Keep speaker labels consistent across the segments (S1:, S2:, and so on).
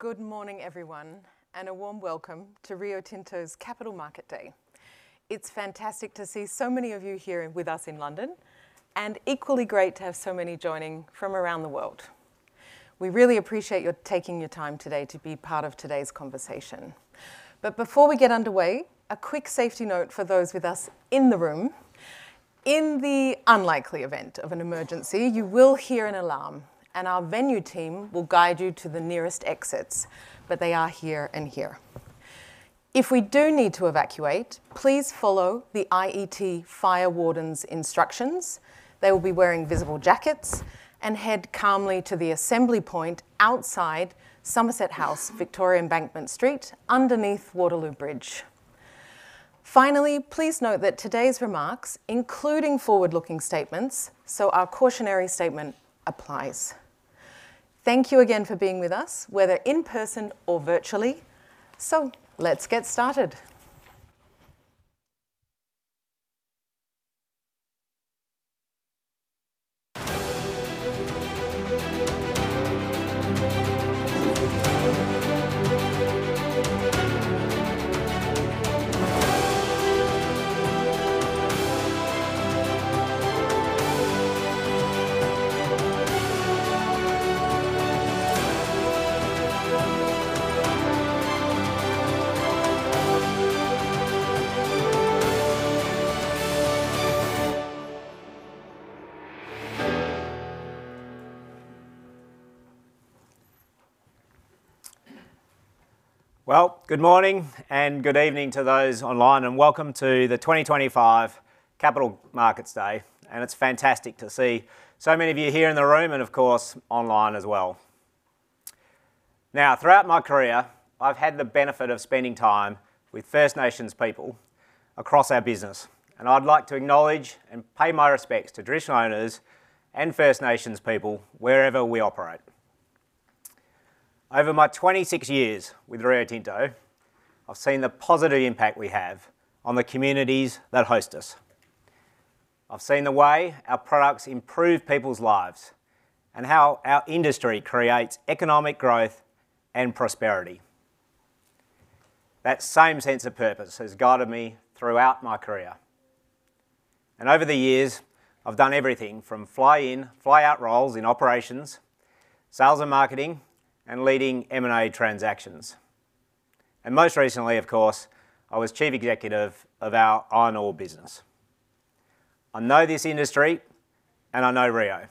S1: Good morning, everyone, and a warm welcome to Rio Tinto's Capital Markets Day. It's fantastic to see so many of you here with us in London, and equally great to have so many joining from around the world. We really appreciate you taking your time today to be part of today's conversation. But before we get underway, a quick safety note for those with us in the room: in the unlikely event of an emergency, you will hear an alarm, and our venue team will guide you to the nearest exits, but they are here and here. If we do need to evacuate, please follow the IET fire wardens' instructions. They will be wearing visible jackets and head calmly to the assembly point outside Somerset House, Victoria Embankment, underneath Waterloo Bridge. Finally, please note that today's remarks include forward-looking statements, so our cautionary statement applies. Thank you again for being with us, whether in person or virtually. So let's get started.
S2: Good morning and good evening to those online, and welcome to the 2025 Capital Markets Day. It's fantastic to see so many of you here in the room and, of course, online as well. Now, throughout my career, I've had the benefit of spending time with First Nations people across our business, and I'd like to acknowledge and pay my respects to Traditional Owners and First Nations people wherever we operate. Over my 26 years with Rio Tinto, I've seen the positive impact we have on the communities that host us. I've seen the way our products improve people's lives and how our industry creates economic growth and prosperity. That same sense of purpose has guided me throughout my career. Over the years, I've done everything from fly-in, fly-out roles in operations, sales and marketing, and leading M&A transactions. Most recently, of course, I was Chief Executive of our iron ore business. I know this industry, and I know Rio,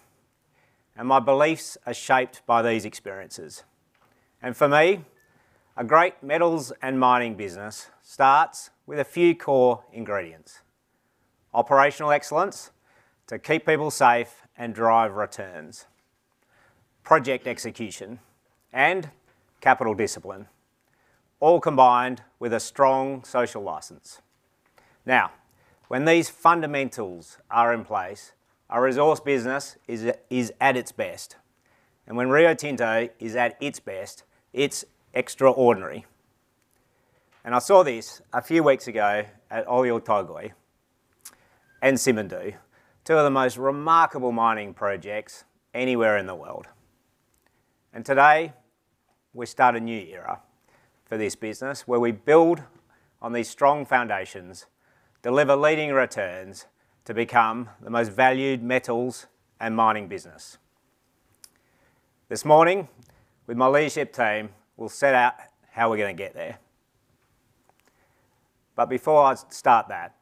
S2: and my beliefs are shaped by these experiences. For me, a great metals and mining business starts with a few core ingredients: operational excellence to keep people safe and drive returns, project execution, and capital discipline, all combined with a strong social license. Now, when these fundamentals are in place, a resource business is at its best. When Rio Tinto is at its best, it's extraordinary. I saw this a few weeks ago at Oyu Tolgoi and Simandou, two of the most remarkable mining projects anywhere in the world. Today, we start a new era for this business where we build on these strong foundations, deliver leading returns to become the most valued metals and mining business. This morning, with my leadership team, we'll set out how we're going to get there. But before I start that,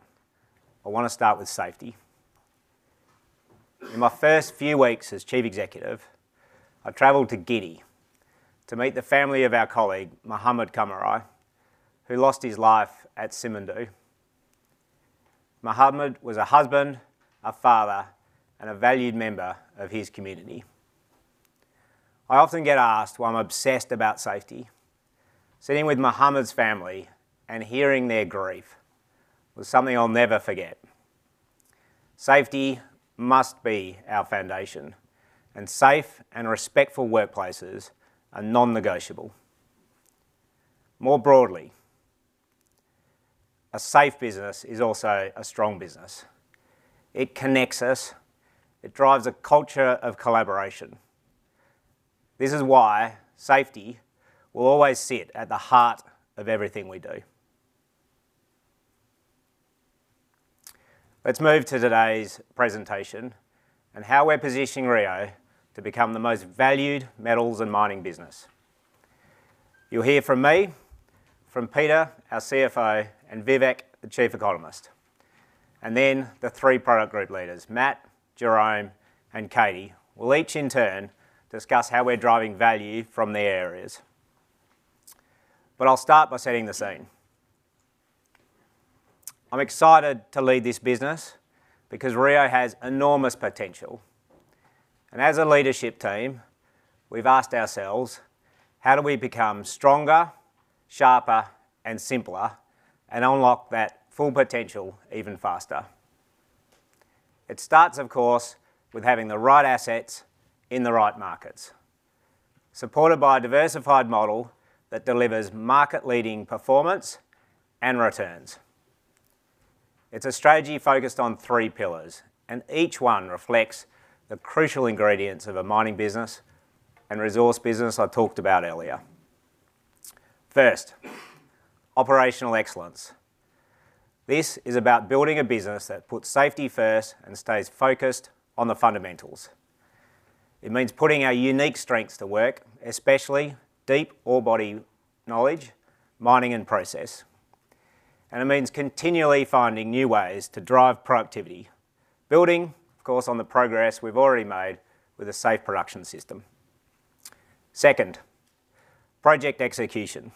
S2: I want to start with safety. In my first few weeks as Chief Executive, I traveled to Guinea to meet the family of our colleague, Mohamed Camara, who lost his life at Simandou. Mohammed was a husband, a father, and a valued member of his community. I often get asked why I'm obsessed about safety. Sitting with Mohammed's family and hearing their grief was something I'll never forget. Safety must be our foundation, and safe and respectful workplaces are non-negotiable. More broadly, a safe business is also a strong business. It connects us. It drives a culture of collaboration. This is why safety will always sit at the heart of everything we do. Let's move to today's presentation and how we're positioning Rio to become the most valued metals and mining business. You'll hear from me, from Peter, our CFO, and Vivek, the Chief Economist, and then the three product group leaders, Matt, Jérôme, and Katie, will each in turn discuss how we're driving value from their areas, but I'll start by setting the scene. I'm excited to lead this business because Rio has enormous potential, and as a leadership team, we've asked ourselves, how do we become stronger, sharper, and simpler, and unlock that full potential even faster? It starts, of course, with having the right assets in the right markets, supported by a diversified model that delivers market-leading performance and returns. It's a strategy focused on three pillars, and each one reflects the crucial ingredients of a mining business and resource business I talked about earlier. First, operational excellence. This is about building a business that puts safety first and stays focused on the fundamentals. It means putting our unique strengths to work, especially deep ore body knowledge, mining, and process, and it means continually finding new ways to drive productivity, building, of course, on the progress we've already made with a Safe Production System. Second, project execution.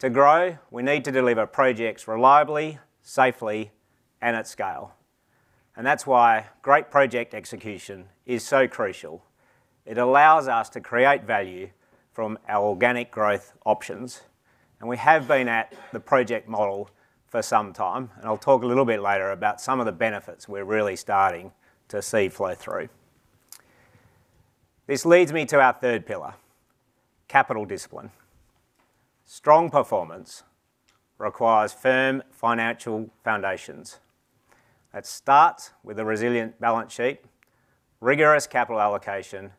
S2: To grow, we need to deliver projects reliably, safely, and at scale, and that's why great project execution is so crucial. It allows us to create value from our organic growth options, and we have been at the project model for some time. And I'll talk a little bit later about some of the benefits we're really starting to see flow through. This leads me to our third pillar, capital discipline. Strong performance requires firm financial foundations. It starts with a resilient balance sheet, rigorous capital allocation,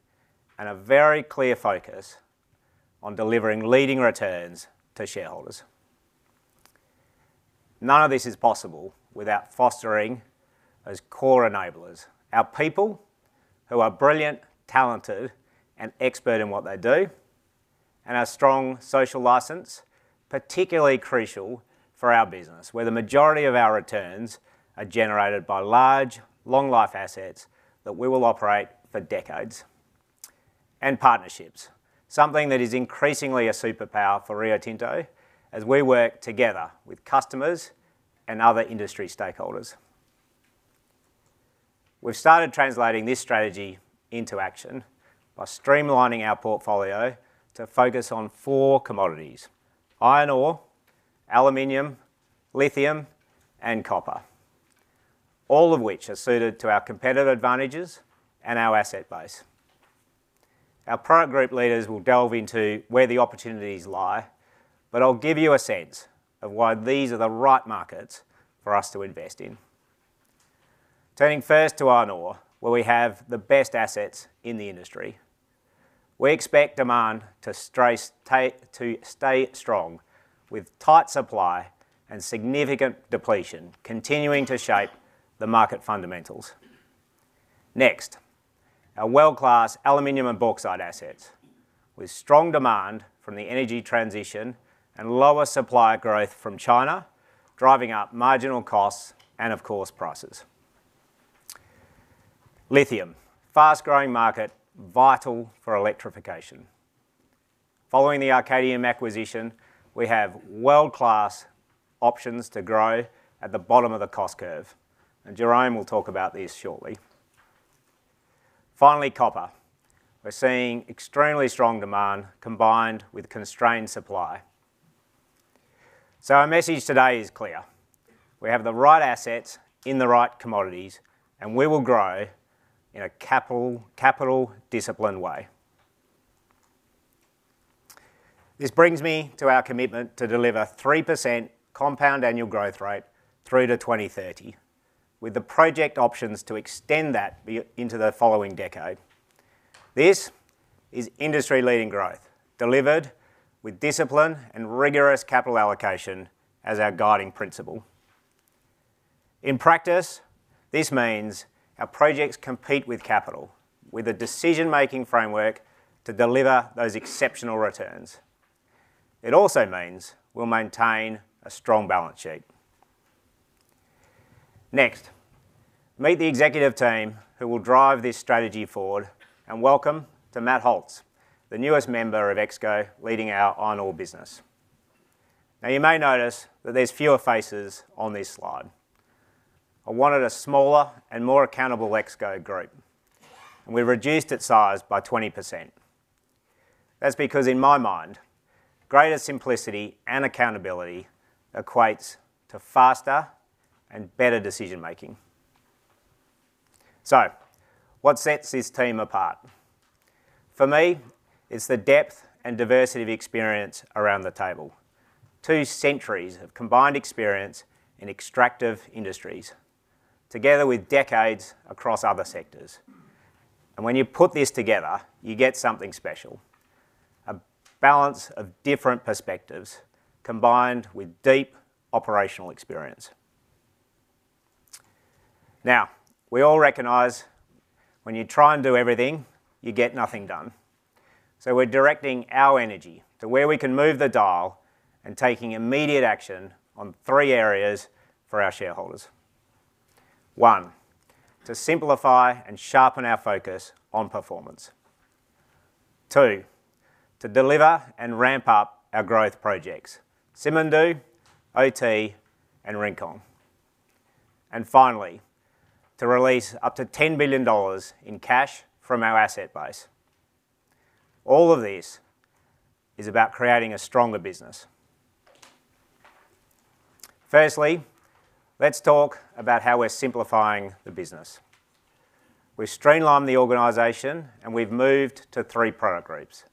S2: and a very clear focus on delivering leading returns to shareholders. None of this is possible without fostering those core enablers: our people who are brilliant, talented, and expert in what they do, and our strong social license, particularly crucial for our business, where the majority of our returns are generated by large, long-life assets that we will operate for decades, and partnerships, something that is increasingly a superpower for Rio Tinto as we work together with customers and other industry stakeholders. We've started translating this strategy into action by streamlining our portfolio to focus on four commodities: iron ore, aluminum, lithium, and copper, all of which are suited to our competitive advantages and our asset base. Our product group leaders will delve into where the opportunities lie, but I'll give you a sense of why these are the right markets for us to invest in. Turning first to iron ore, where we have the best assets in the industry, we expect demand to stay strong with tight supply and significant depletion continuing to shape the market fundamentals. Next, our world-class aluminum and bauxite assets, with strong demand from the energy transition and lower supply growth from China, driving up marginal costs and, of course, prices. Lithium, fast-growing market vital for electrification. Following the Arcadium acquisition, we have world-class options to grow at the bottom of the cost curve. And Jérôme will talk about this shortly. Finally, copper. We're seeing extremely strong demand combined with constrained supply. So our message today is clear. We have the right assets in the right commodities, and we will grow in a capital-disciplined way. This brings me to our commitment to deliver 3% compound annual growth rate through to 2030, with the project options to extend that into the following decade. This is industry-leading growth delivered with discipline and rigorous capital allocation as our guiding principle. In practice, this means our projects compete with capital with a decision-making framework to deliver those exceptional returns. It also means we'll maintain a strong balance sheet. Next, meet the executive team who will drive this strategy forward, and welcome to Matt Holcz, the newest member of ExCo leading our iron ore business. Now, you may notice that there's fewer faces on this slide. I wanted a smaller and more accountable ExCo group, and we reduced its size by 20%. That's because, in my mind, greater simplicity and accountability equates to faster and better decision-making. So what sets this team apart? For me, it's the depth and diversity of experience around the table. Two centuries of combined experience in extractive industries, together with decades across other sectors. And when you put this together, you get something special: a balance of different perspectives combined with deep operational experience. Now, we all recognize when you try and do everything, you get nothing done. So we're directing our energy to where we can move the dial and taking immediate action on three areas for our shareholders. One, to simplify and sharpen our focus on performance. Two, to deliver and ramp up our growth projects: Simandou, OT, and Rincon. And finally, to release up to $10 billion in cash from our asset base. All of this is about creating a stronger business. Firstly, let's talk about how we're simplifying the business. We've streamlined the organization, and we've moved to three product groups,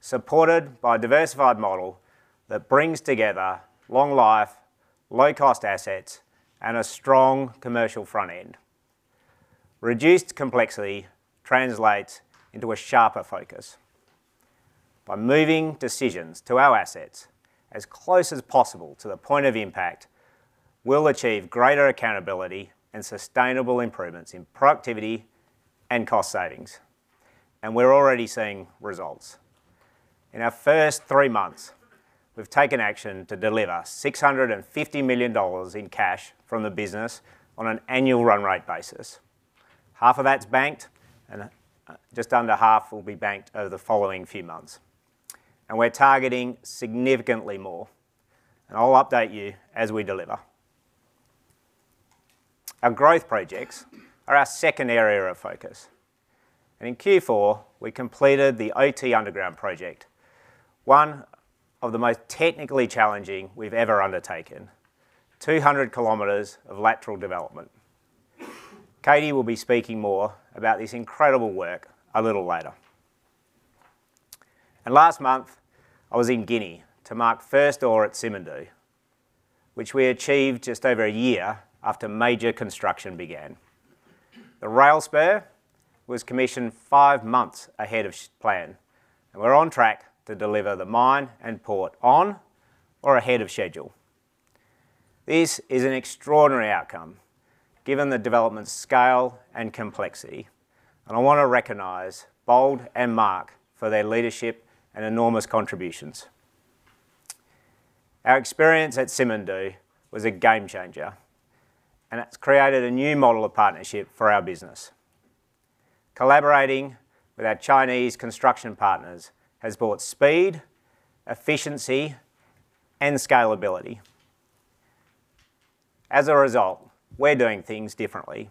S2: supported by a diversified model that brings together long-life, low-cost assets, and a strong commercial front end. Reduced complexity translates into a sharper focus. By moving decisions to our assets as close as possible to the point of impact, we'll achieve greater accountability and sustainable improvements in productivity and cost savings. We're already seeing results. In our first three months, we've taken action to deliver $650 million in cash from the business on an annual run rate basis. $325 million is banked, and just under $325 million will be banked over the following few months. We're targeting significantly more. I'll update you as we deliver. Our growth projects are our second area of focus. In Q4, we completed the OT underground project, one of the most technically challenging we've ever undertaken, 200 km of lateral development. Katie will be speaking more about this incredible work a little later. Last month, I was in Guinea to mark first ore at Simandou, which we achieved just over a year after major construction began. The rail spur was commissioned five months ahead of plan, and we're on track to deliver the mine and port on or ahead of schedule. This is an extraordinary outcome given the development scale and complexity. I want to recognize Bold and Mark for their leadership and enormous contributions. Our experience at Simandou was a game changer, and it's created a new model of partnership for our business. Collaborating with our Chinese construction partners has brought speed, efficiency, and scalability. As a result, we're doing things differently.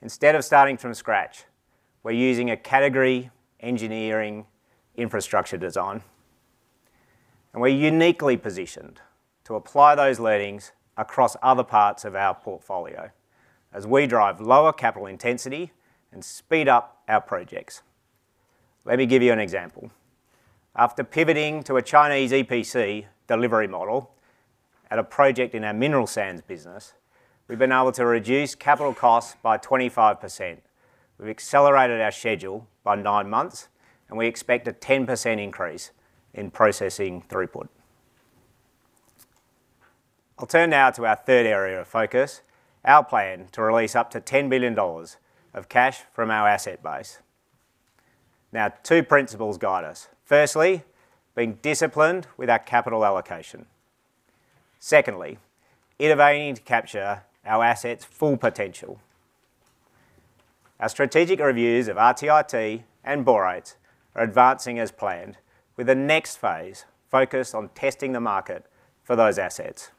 S2: Instead of starting from scratch, we're using a category engineering infrastructure design, and we're uniquely positioned to apply those learnings across other parts of our portfolio as we drive lower capital intensity and speed up our projects. Let me give you an example. After pivoting to a Chinese EPC delivery model at a project in our mineral sands business, we've been able to reduce capital costs by 25%. We've accelerated our schedule by nine months, and we expect a 10% increase in processing throughput. I'll turn now to our third area of focus, our plan to release up to $10 billion of cash from our asset base. Now, two principles guide us. Firstly, being disciplined with our capital allocation. Secondly, innovating to capture our assets' full potential. Our strategic reviews of RTIT and Borates are advancing as planned, with the next phase focused on testing the market for those assets.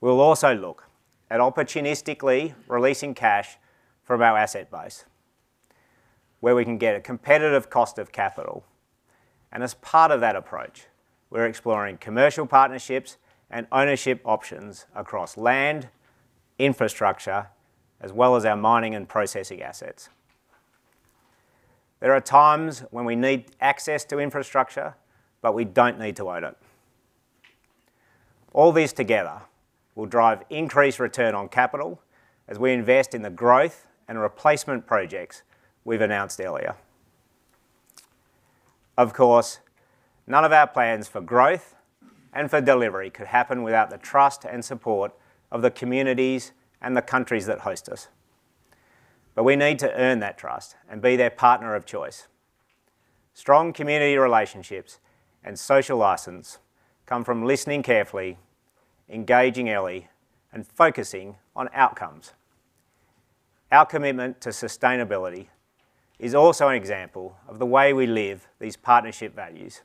S2: We'll also look at opportunistically releasing cash from our asset base, where we can get a competitive cost of capital, and as part of that approach, we're exploring commercial partnerships and ownership options across land, infrastructure, as well as our mining and processing assets. There are times when we need access to infrastructure, but we don't need to own it. All these together will drive increased return on capital as we invest in the growth and replacement projects we've announced earlier. Of course, none of our plans for growth and for delivery could happen without the trust and support of the communities and the countries that host us, but we need to earn that trust and be their partner of choice. Strong community relationships and social license come from listening carefully, engaging early, and focusing on outcomes. Our commitment to sustainability is also an example of the way we live these partnership values.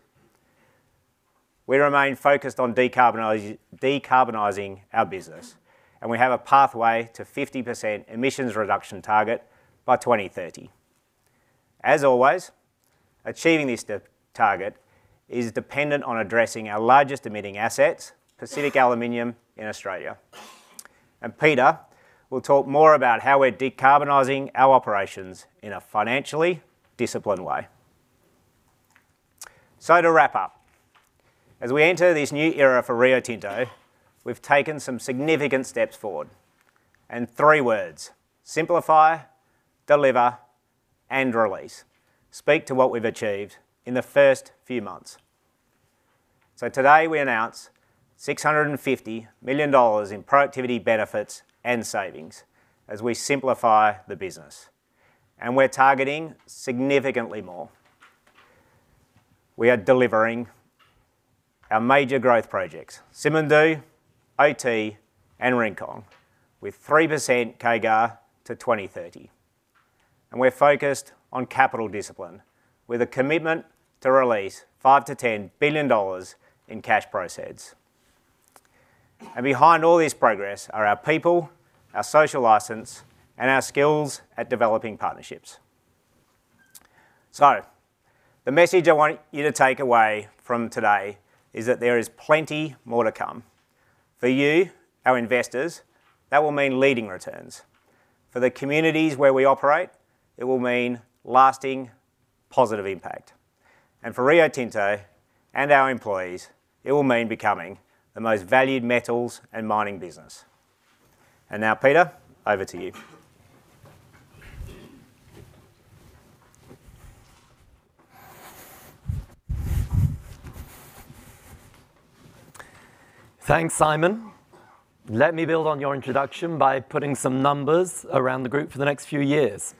S2: We remain focused on decarbonizing our business, and we have a pathway to a 50% emissions reduction target by 2030. As always, achieving this target is dependent on addressing our largest emitting assets, Pacific Aluminium in Australia, and Peter will talk more about how we're decarbonizing our operations in a financially disciplined way, so to wrap up, as we enter this new era for Rio Tinto, we've taken some significant steps forward, and three words: simplify, deliver, and release speak to what we've achieved in the first few months, so today, we announce $650 million in productivity benefits and savings as we simplify the business, and we're targeting significantly more. We are delivering our major growth projects: Simandou, OT, and Rincon, with 3% CAGR to 2030. We're focused on capital discipline with a commitment to release $5-$10 billion in cash proceeds. Behind all this progress are our people, our social license, and our skills at developing partnerships. The message I want you to take away from today is that there is plenty more to come. For you, our investors, that will mean leading returns. For the communities where we operate, it will mean lasting positive impact. For Rio Tinto and our employees, it will mean becoming the most valued metals and mining business. Now, Peter, over to you.
S3: Thanks, Simon. Let me build on your introduction by putting some numbers around the group for the next few years.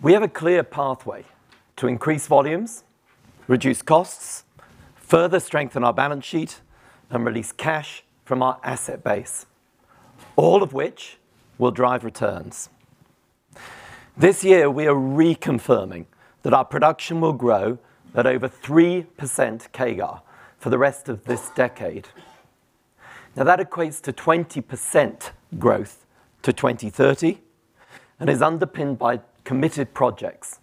S3: We have a clear pathway to increase volumes, reduce costs, further strengthen our balance sheet, and release cash from our asset base, all of which will drive returns. This year, we are reconfirming that our production will grow at over 3% CAGR for the rest of this decade. Now, that equates to 20% growth to 2030 and is underpinned by committed projects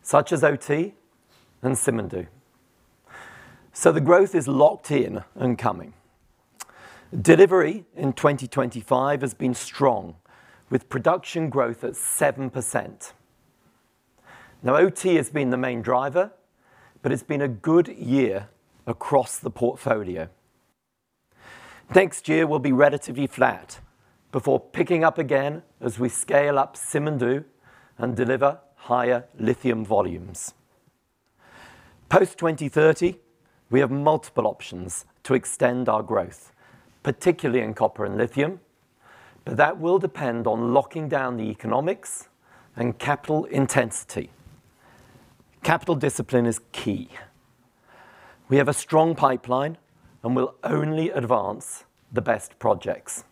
S3: such as OT and Simandou. So the growth is locked in and coming. Delivery in 2025 has been strong, with production growth at 7%. Now, OT has been the main driver, but it's been a good year across the portfolio. Next year, we'll be relatively flat before picking up again as we scale up Simandou and deliver higher lithium volumes. Post 2030, we have multiple options to extend our growth, particularly in copper and lithium, but that will depend on locking down the economics and capital intensity. Capital discipline is key. We have a strong pipeline and will only advance the best projects.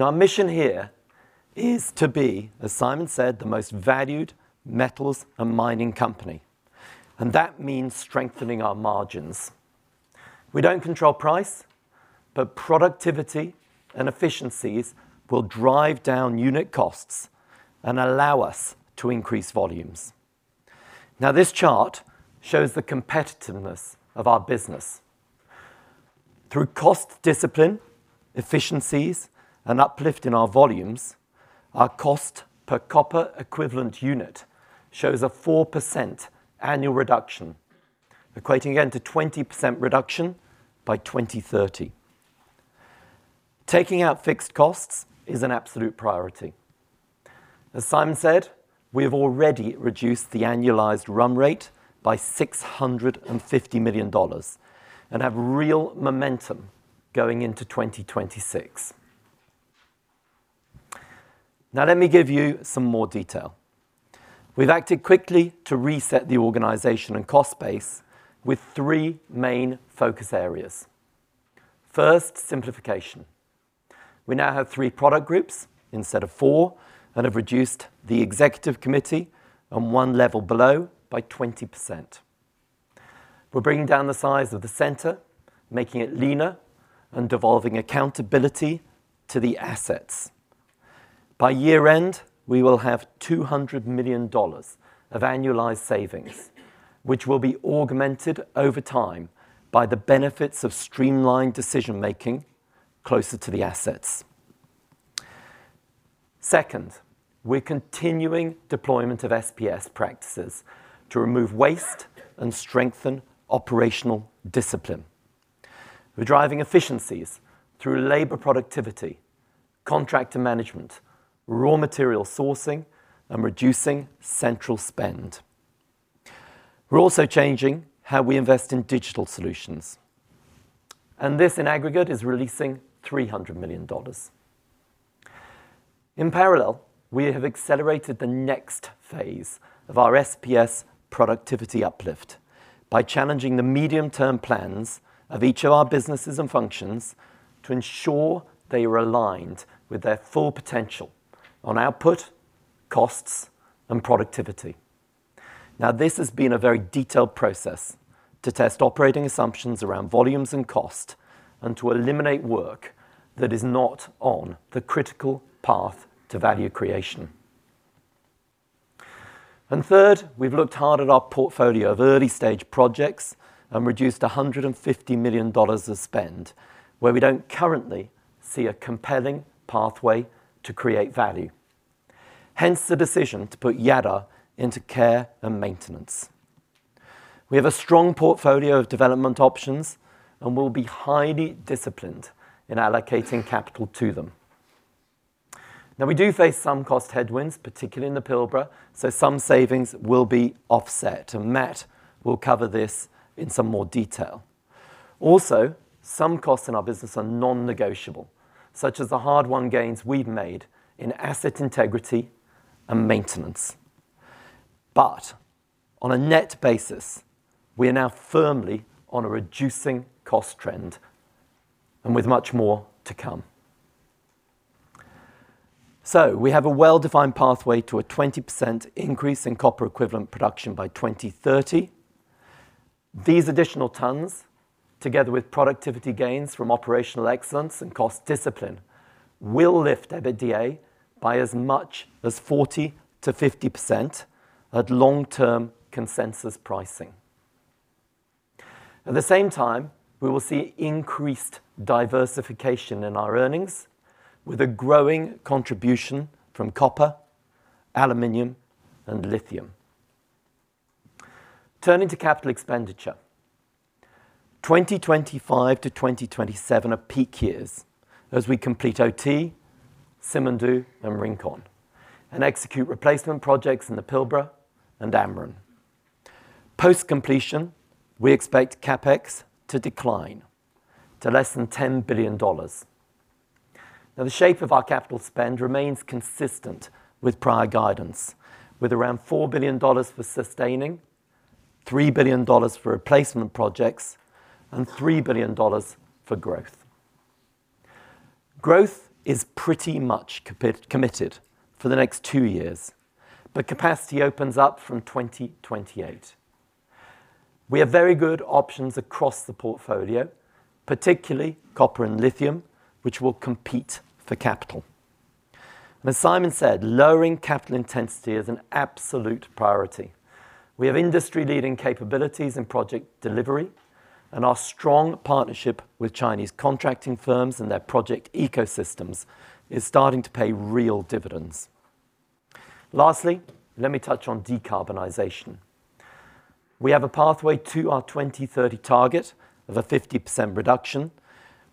S3: Our mission here is to be, as Simon said, the most valued metals and mining company. That means strengthening our margins. We don't control price, but productivity and efficiencies will drive down unit costs and allow us to increase volumes. Now, this chart shows the competitiveness of our business. Through cost discipline, efficiencies, and uplift in our volumes, our cost per copper equivalent unit shows a 4% annual reduction, equating again to 20% reduction by 2030. Taking out fixed costs is an absolute priority. As Simon said, we have already reduced the annualized run rate by $650 million and have real momentum going into 2026. Now, let me give you some more detail. We've acted quickly to reset the organization and cost base with three main focus areas. First, simplification. We now have three product groups instead of four and have reduced the executive committee and one level below by 20%. We're bringing down the size of the center, making it leaner, and devolving accountability to the assets. By year-end, we will have $200 million of annualized savings, which will be augmented over time by the benefits of streamlined decision-making closer to the assets. Second, we're continuing deployment of SPS practices to remove waste and strengthen operational discipline. We're driving efficiencies through labor productivity, contractor management, raw material sourcing, and reducing central spend. We're also changing how we invest in digital solutions, and this in aggregate is releasing $300 million. In parallel, we have accelerated the next phase of our SPS productivity uplift by challenging the medium-term plans of each of our businesses and functions to ensure they are aligned with their full potential on output, costs, and productivity. Now, this has been a very detailed process to test operating assumptions around volumes and cost and to eliminate work that is not on the critical path to value creation. And third, we've looked hard at our portfolio of early-stage projects and reduced $150 million of spend where we don't currently see a compelling pathway to create value. Hence the decision to put Jadar into care and maintenance. We have a strong portfolio of development options and will be highly disciplined in allocating capital to them. Now, we do face some cost headwinds, particularly in the Pilbara, so some savings will be offset, and Matt will cover this in some more detail. Also, some costs in our business are non-negotiable, such as the hard-won gains we've made in asset integrity and maintenance. But on a net basis, we are now firmly on a reducing cost trend and with much more to come. So we have a well-defined pathway to a 20% increase in copper equivalent production by 2030. These additional tons, together with productivity gains from operational excellence and cost discipline, will lift EBITDA by as much as 40%-50% at long-term consensus pricing. At the same time, we will see increased diversification in our earnings with a growing contribution from copper, aluminum, and lithium. Turning to capital expenditure, 2025-2027 are peak years as we complete OT, Simandou, and Rincon, and execute replacement projects in the Pilbara and Amrun. Post completion, we expect CapEx to decline to less than $10 billion. Now, the shape of our capital spend remains consistent with prior guidance, with around $4 billion for sustaining, $3 billion for replacement projects, and $3 billion for growth. Growth is pretty much committed for the next two years, but capacity opens up from 2028. We have very good options across the portfolio, particularly copper and lithium, which will compete for capital. As Simon said, lowering capital intensity is an absolute priority. We have industry-leading capabilities in project delivery, and our strong partnership with Chinese contracting firms and their project ecosystems is starting to pay real dividends. Lastly, let me touch on decarbonization. We have a pathway to our 2030 target of a 50% reduction,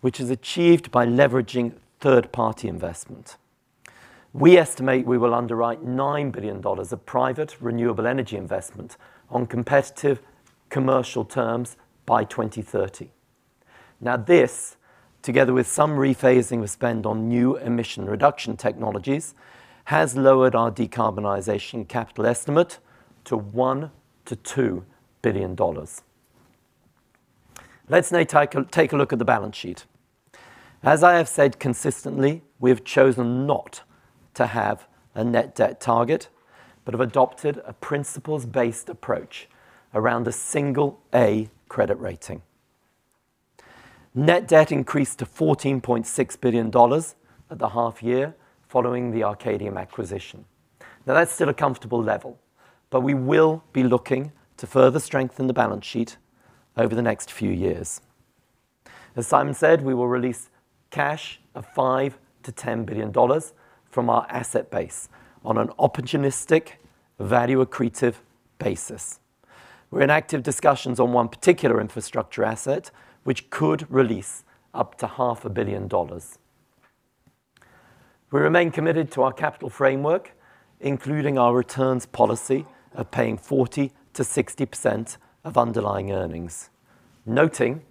S3: which is achieved by leveraging third-party investment. We estimate we will underwrite $9 billion of private renewable energy investment on competitive commercial terms by 2030. Now, this, together with some rephasing of spend on new emission reduction technologies, has lowered our decarbonization capital estimate to $1-$2 billion. Let's now take a look at the balance sheet. As I have said consistently, we have chosen not to have a net debt target, but have adopted a principles-based approach around a single-A credit rating. Net debt increased to $14.6 billion at the half-year following the Arcadium acquisition. Now, that's still a comfortable level, but we will be looking to further strengthen the balance sheet over the next few years. As Simon said, we will release cash of $5-$10 billion from our asset base on an opportunistic value accretive basis. We're in active discussions on one particular infrastructure asset, which could release up to $500 million. We remain committed to our capital framework, including our returns policy of paying 40%-60% of underlying earnings, noting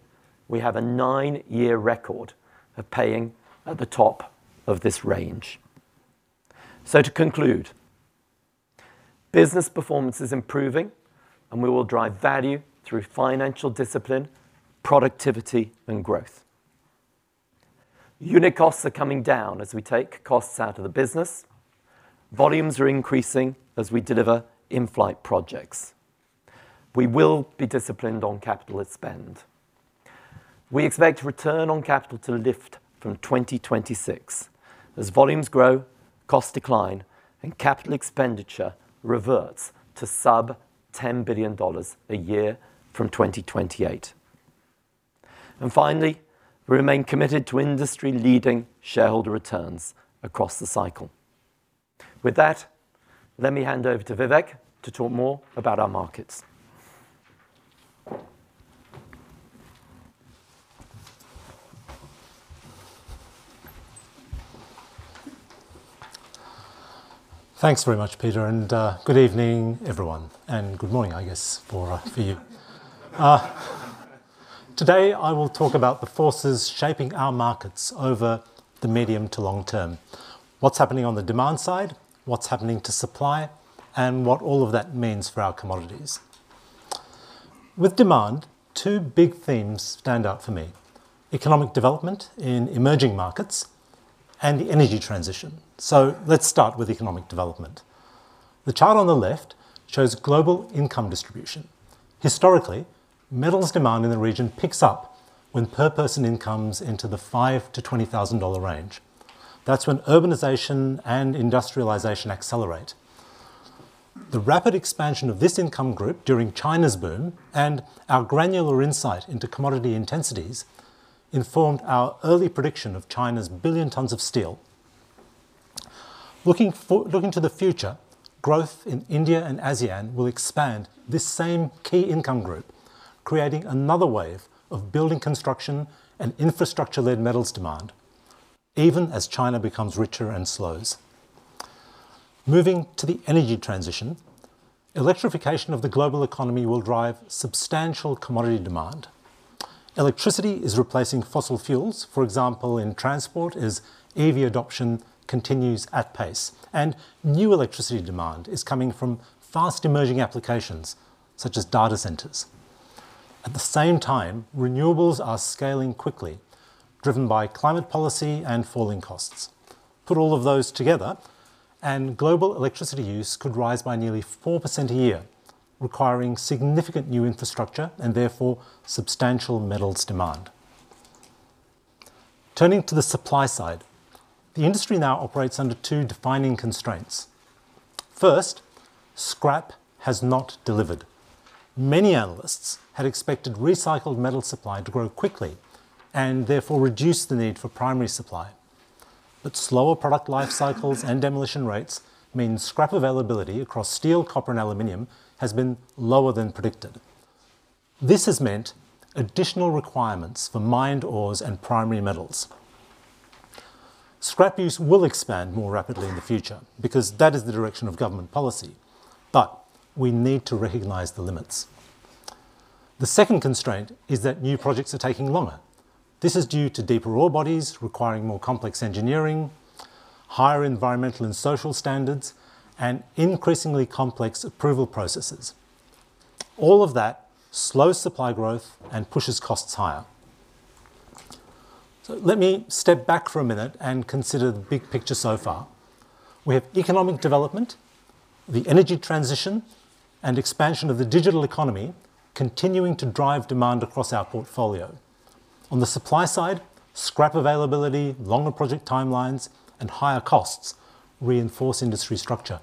S3: we have a nine-year record of paying at the top of this range. So to conclude, business performance is improving, and we will drive value through financial discipline, productivity, and growth. Unit costs are coming down as we take costs out of the business. Volumes are increasing as we deliver in-flight projects. We will be disciplined on capital at spend. We expect return on capital to lift from 2026 as volumes grow, costs decline, and capital expenditure reverts to sub-$10 billion a year from 2028. And finally, we remain committed to industry-leading shareholder returns across the cycle. With that, let me hand over to Vivek to talk more about our markets.
S4: Thanks very much, Peter. And good evening, everyone, and good morning, I guess, for you. Today, I will talk about the forces shaping our markets over the medium to long term, what's happening on the demand side, what's happening to supply, and what all of that means for our commodities. With demand, two big themes stand out for me: economic development in emerging markets and the energy transition. So let's start with economic development. The chart on the left shows global income distribution. Historically, metals demand in the region picks up when per-person incomes into the $5,000-$20,000 range. That's when urbanization and industrialization accelerate. The rapid expansion of this income group during China's boom and our granular insight into commodity intensities informed our early prediction of China's billion tons of steel. Looking to the future, growth in India and ASEAN will expand this same key income group, creating another wave of building construction and infrastructure-led metals demand, even as China becomes richer and slows. Moving to the energy transition, electrification of the global economy will drive substantial commodity demand. Electricity is replacing fossil fuels, for example, in transport as EV adoption continues at pace, and new electricity demand is coming from fast-emerging applications such as data centers. At the same time, renewables are scaling quickly, driven by climate policy and falling costs. Put all of those together, and global electricity use could rise by nearly 4% a year, requiring significant new infrastructure and therefore substantial metals demand. Turning to the supply side, the industry now operates under two defining constraints. First, scrap has not delivered. Many analysts had expected recycled metal supply to grow quickly and therefore reduce the need for primary supply. But slower product life cycles and demolition rates mean scrap availability across steel, copper, and aluminum has been lower than predicted. This has meant additional requirements for mined ores and primary metals. Scrap use will expand more rapidly in the future because that is the direction of government policy, but we need to recognize the limits. The second constraint is that new projects are taking longer. This is due to deeper ore bodies requiring more complex engineering, higher environmental and social standards, and increasingly complex approval processes. All of that slows supply growth and pushes costs higher. So let me step back for a minute and consider the big picture so far. We have economic development, the energy transition, and expansion of the digital economy continuing to drive demand across our portfolio. On the supply side, scrap availability, longer project timelines, and higher costs reinforce industry structure.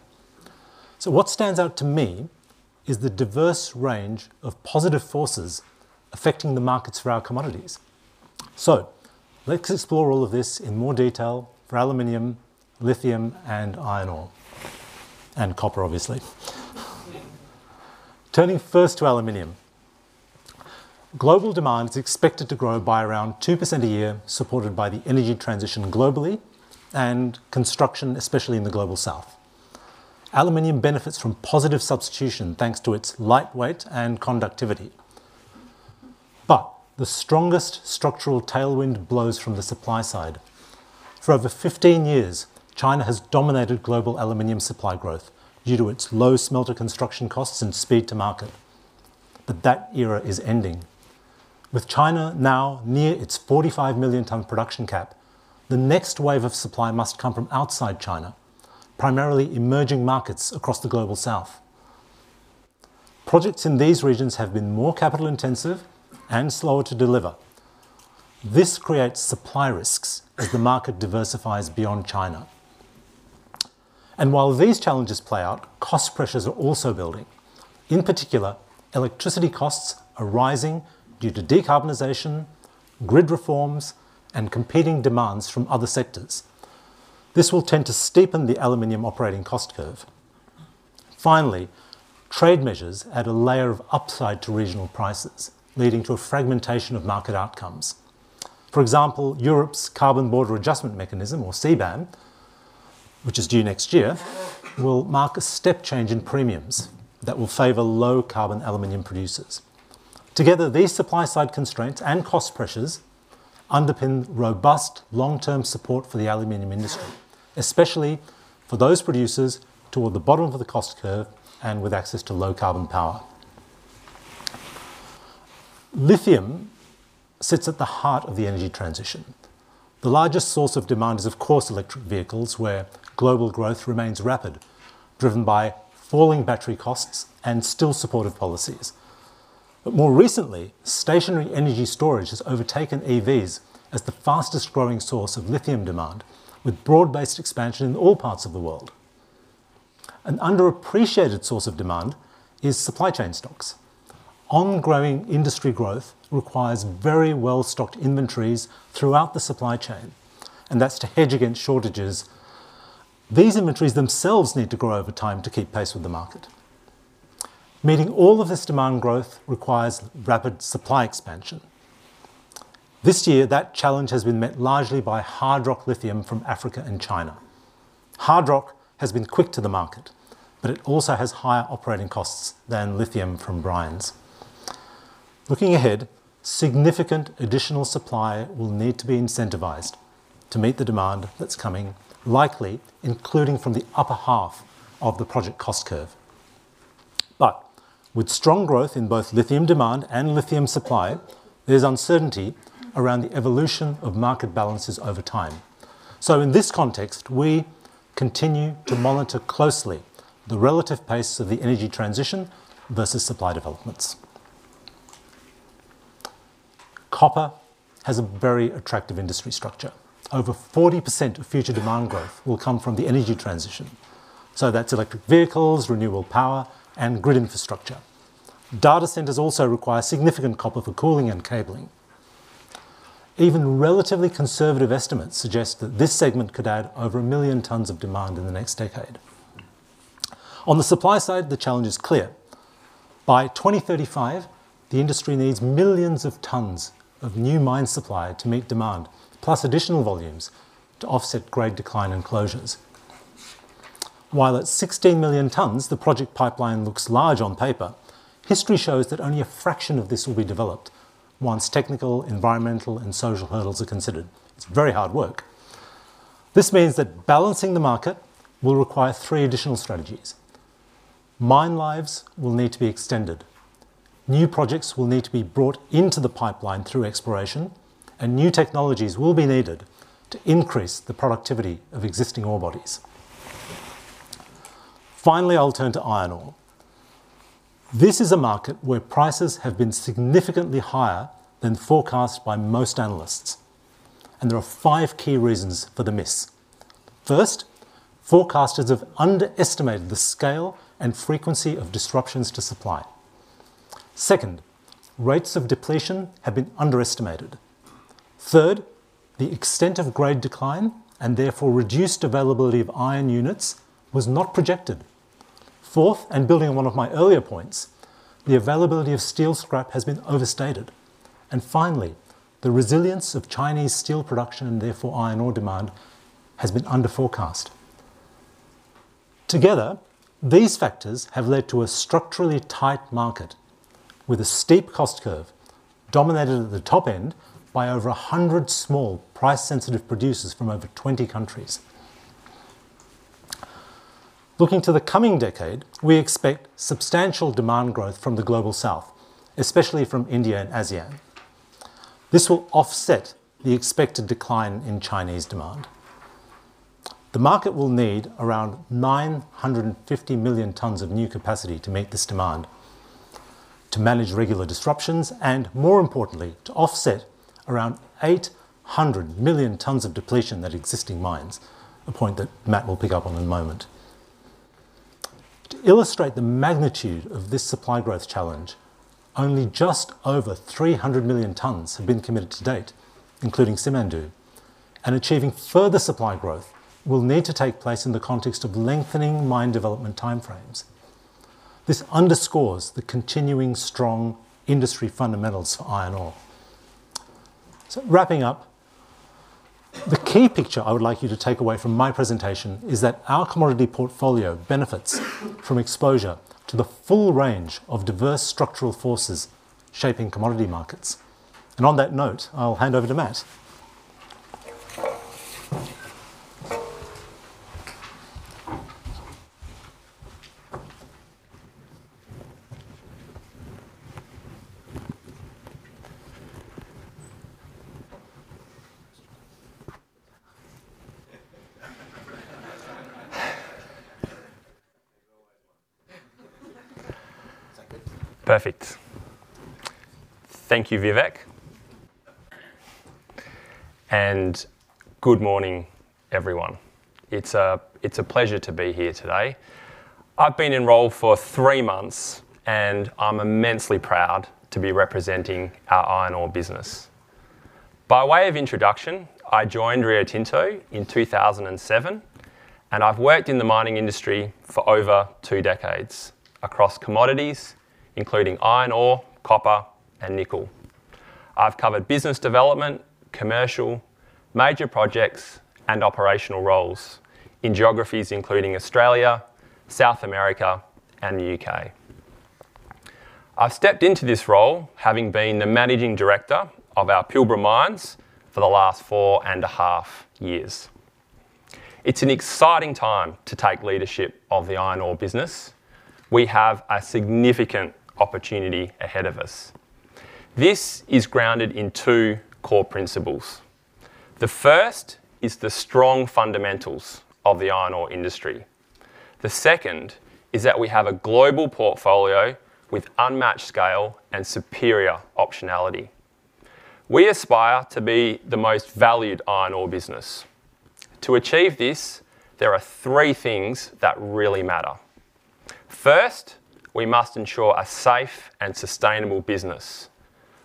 S4: So what stands out to me is the diverse range of positive forces affecting the markets for our commodities. So let's explore all of this in more detail for aluminum, lithium, and iron ore, and copper, obviously. Turning first to aluminum, global demand is expected to grow by around 2% a year, supported by the energy transition globally and construction, especially in the Global South. Aluminum benefits from positive substitution thanks to its lightweight and conductivity. But the strongest structural tailwind blows from the supply side. For over 15 years, China has dominated global aluminum supply growth due to its low smelter construction costs and speed to market. But that era is ending. With China now near its 45-million-ton production cap, the next wave of supply must come from outside China, primarily emerging markets across the Global South. Projects in these regions have been more capital-intensive and slower to deliver. This creates supply risks as the market diversifies beyond China. While these challenges play out, cost pressures are also building. In particular, electricity costs are rising due to decarbonization, grid reforms, and competing demands from other sectors. This will tend to steepen the aluminum operating cost curve. Finally, trade measures add a layer of upside to regional prices, leading to a fragmentation of market outcomes. For example, Europe's Carbon Border Adjustment Mechanism, or CBAM, which is due next year, will mark a step change in premiums that will favor low-carbon aluminum producers. Together, these supply-side constraints and cost pressures underpin robust long-term support for the aluminum industry, especially for those producers toward the bottom of the cost curve and with access to low-carbon power. Lithium sits at the heart of the energy transition. The largest source of demand is, of course, electric vehicles, where global growth remains rapid, driven by falling battery costs and still supportive policies. More recently, stationary energy storage has overtaken EVs as the fastest-growing source of lithium demand, with broad-based expansion in all parts of the world. An underappreciated source of demand is supply chain stocks. Ongoing industry growth requires very well-stocked inventories throughout the supply chain, and that's to hedge against shortages. These inventories themselves need to grow over time to keep pace with the market. Meeting all of this demand growth requires rapid supply expansion. This year, that challenge has been met largely by hard-rock lithium from Africa and China. Hard-rock has been quick to the market, but it also has higher operating costs than lithium from brines. Looking ahead, significant additional supply will need to be incentivized to meet the demand that's coming, likely including from the upper half of the project cost curve. But with strong growth in both lithium demand and lithium supply, there's uncertainty around the evolution of market balances over time. So in this context, we continue to monitor closely the relative pace of the energy transition versus supply developments. Copper has a very attractive industry structure. Over 40% of future demand growth will come from the energy transition. So that's electric vehicles, renewable power, and grid infrastructure. Data centers also require significant copper for cooling and cabling. Even relatively conservative estimates suggest that this segment could add over a million tons of demand in the next decade. On the supply side, the challenge is clear. By 2035, the industry needs millions of tons of new mine supply to meet demand, plus additional volumes to offset grade decline and closures. While at 16 million tons, the project pipeline looks large on paper, history shows that only a fraction of this will be developed once technical, environmental, and social hurdles are considered. It's very hard work. This means that balancing the market will require three additional strategies. Mine lives will need to be extended. New projects will need to be brought into the pipeline through exploration, and new technologies will be needed to increase the productivity of existing ore bodies. Finally, I'll turn to iron ore. This is a market where prices have been significantly higher than forecast by most analysts, and there are five key reasons for the miss. First, forecasters have underestimated the scale and frequency of disruptions to supply. Second, rates of depletion have been underestimated. Third, the extent of grade decline and therefore reduced availability of iron units was not projected. Fourth, and building on one of my earlier points, the availability of steel scrap has been overstated, and finally, the resilience of Chinese steel production and therefore iron ore demand has been under forecast. Together, these factors have led to a structurally tight market with a steep cost curve dominated at the top end by over 100 small, price-sensitive producers from over 20 countries. Looking to the coming decade, we expect substantial demand growth from the Global South, especially from India and ASEAN. This will offset the expected decline in Chinese demand. The market will need around 950 million tons of new capacity to meet this demand, to manage regular disruptions, and more importantly, to offset around 800 million tons of depletion at existing mines, a point that Matt will pick up on in a moment. To illustrate the magnitude of this supply growth challenge, only just over 300 million tons have been committed to date, including Simandou, and achieving further supply growth will need to take place in the context of lengthening mine development timeframes. This underscores the continuing strong industry fundamentals for iron ore, so wrapping up, the key picture I would like you to take away from my presentation is that our commodity portfolio benefits from exposure to the full range of diverse structural forces shaping commodity markets. And on that note, I'll hand over to Matt.
S5: Perfect. Thank you, Vivek, and good morning, everyone. It's a pleasure to be here today. I've been in role for three months, and I'm immensely proud to be representing our iron ore business. By way of introduction, I joined Rio Tinto in 2007, and I've worked in the mining industry for over two decades across commodities, including iron ore, copper, and nickel. I've covered business development, commercial, major projects, and operational roles in geographies including Australia, South America, and the U.K. I've stepped into this role having been the managing director of our Pilbara Mines for the last four and a half years. It's an exciting time to take leadership of the iron ore business. We have a significant opportunity ahead of us. This is grounded in two core principles. The first is the strong fundamentals of the iron ore industry. The second is that we have a global portfolio with unmatched scale and superior optionality. We aspire to be the most valued iron ore business. To achieve this, there are three things that really matter. First, we must ensure a safe and sustainable business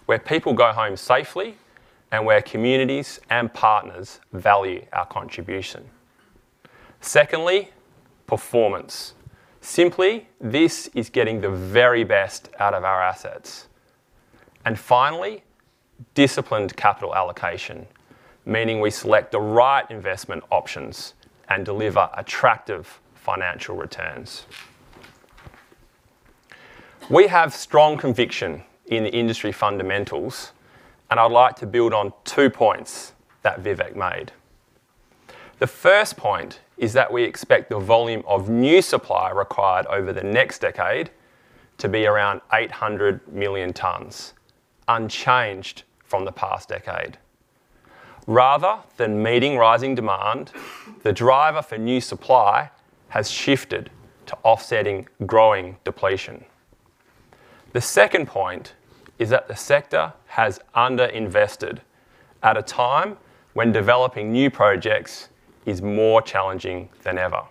S5: where people go home safely and where communities and partners value our contribution. Secondly, performance. Simply, this is getting the very best out of our assets. And finally, disciplined capital allocation, meaning we select the right investment options and deliver attractive financial returns. We have strong conviction in the industry fundamentals, and I'd like to build on two points that Vivek made. The first point is that we expect the volume of new supply required over the next decade to be around 800 million tons, unchanged from the past decade. Rather than meeting rising demand, the driver for new supply has shifted to offsetting growing depletion. The second point is that the sector has underinvested at a time when developing new projects is more challenging than ever.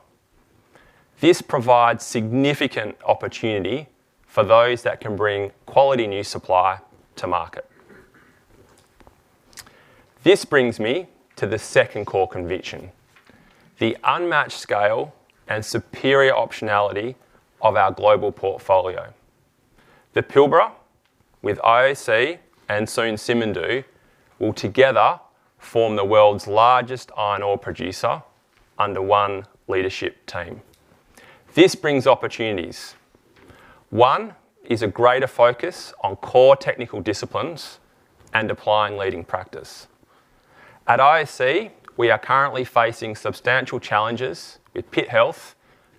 S5: This provides significant opportunity for those that can bring quality new supply to market. This brings me to the second core conviction: the unmatched scale and superior optionality of our global portfolio. The Pilbara, with IOC and soon Simandou, will together form the world's largest iron ore producer under one leadership team. This brings opportunities. One is a greater focus on core technical disciplines and applying leading practice. At IOC, we are currently facing substantial challenges with pit health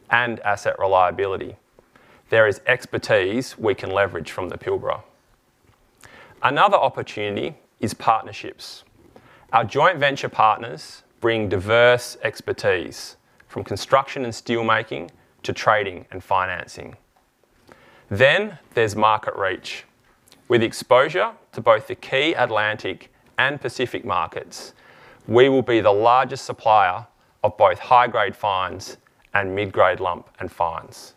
S5: and asset reliability. There is expertise we can leverage from the Pilbara. Another opportunity is partnerships. Our joint venture partners bring diverse expertise from construction and steelmaking to trading and financing. Then there's market reach. With exposure to both the key Atlantic and Pacific markets, we will be the largest supplier of both high-grade fines and mid-grade lump and fines.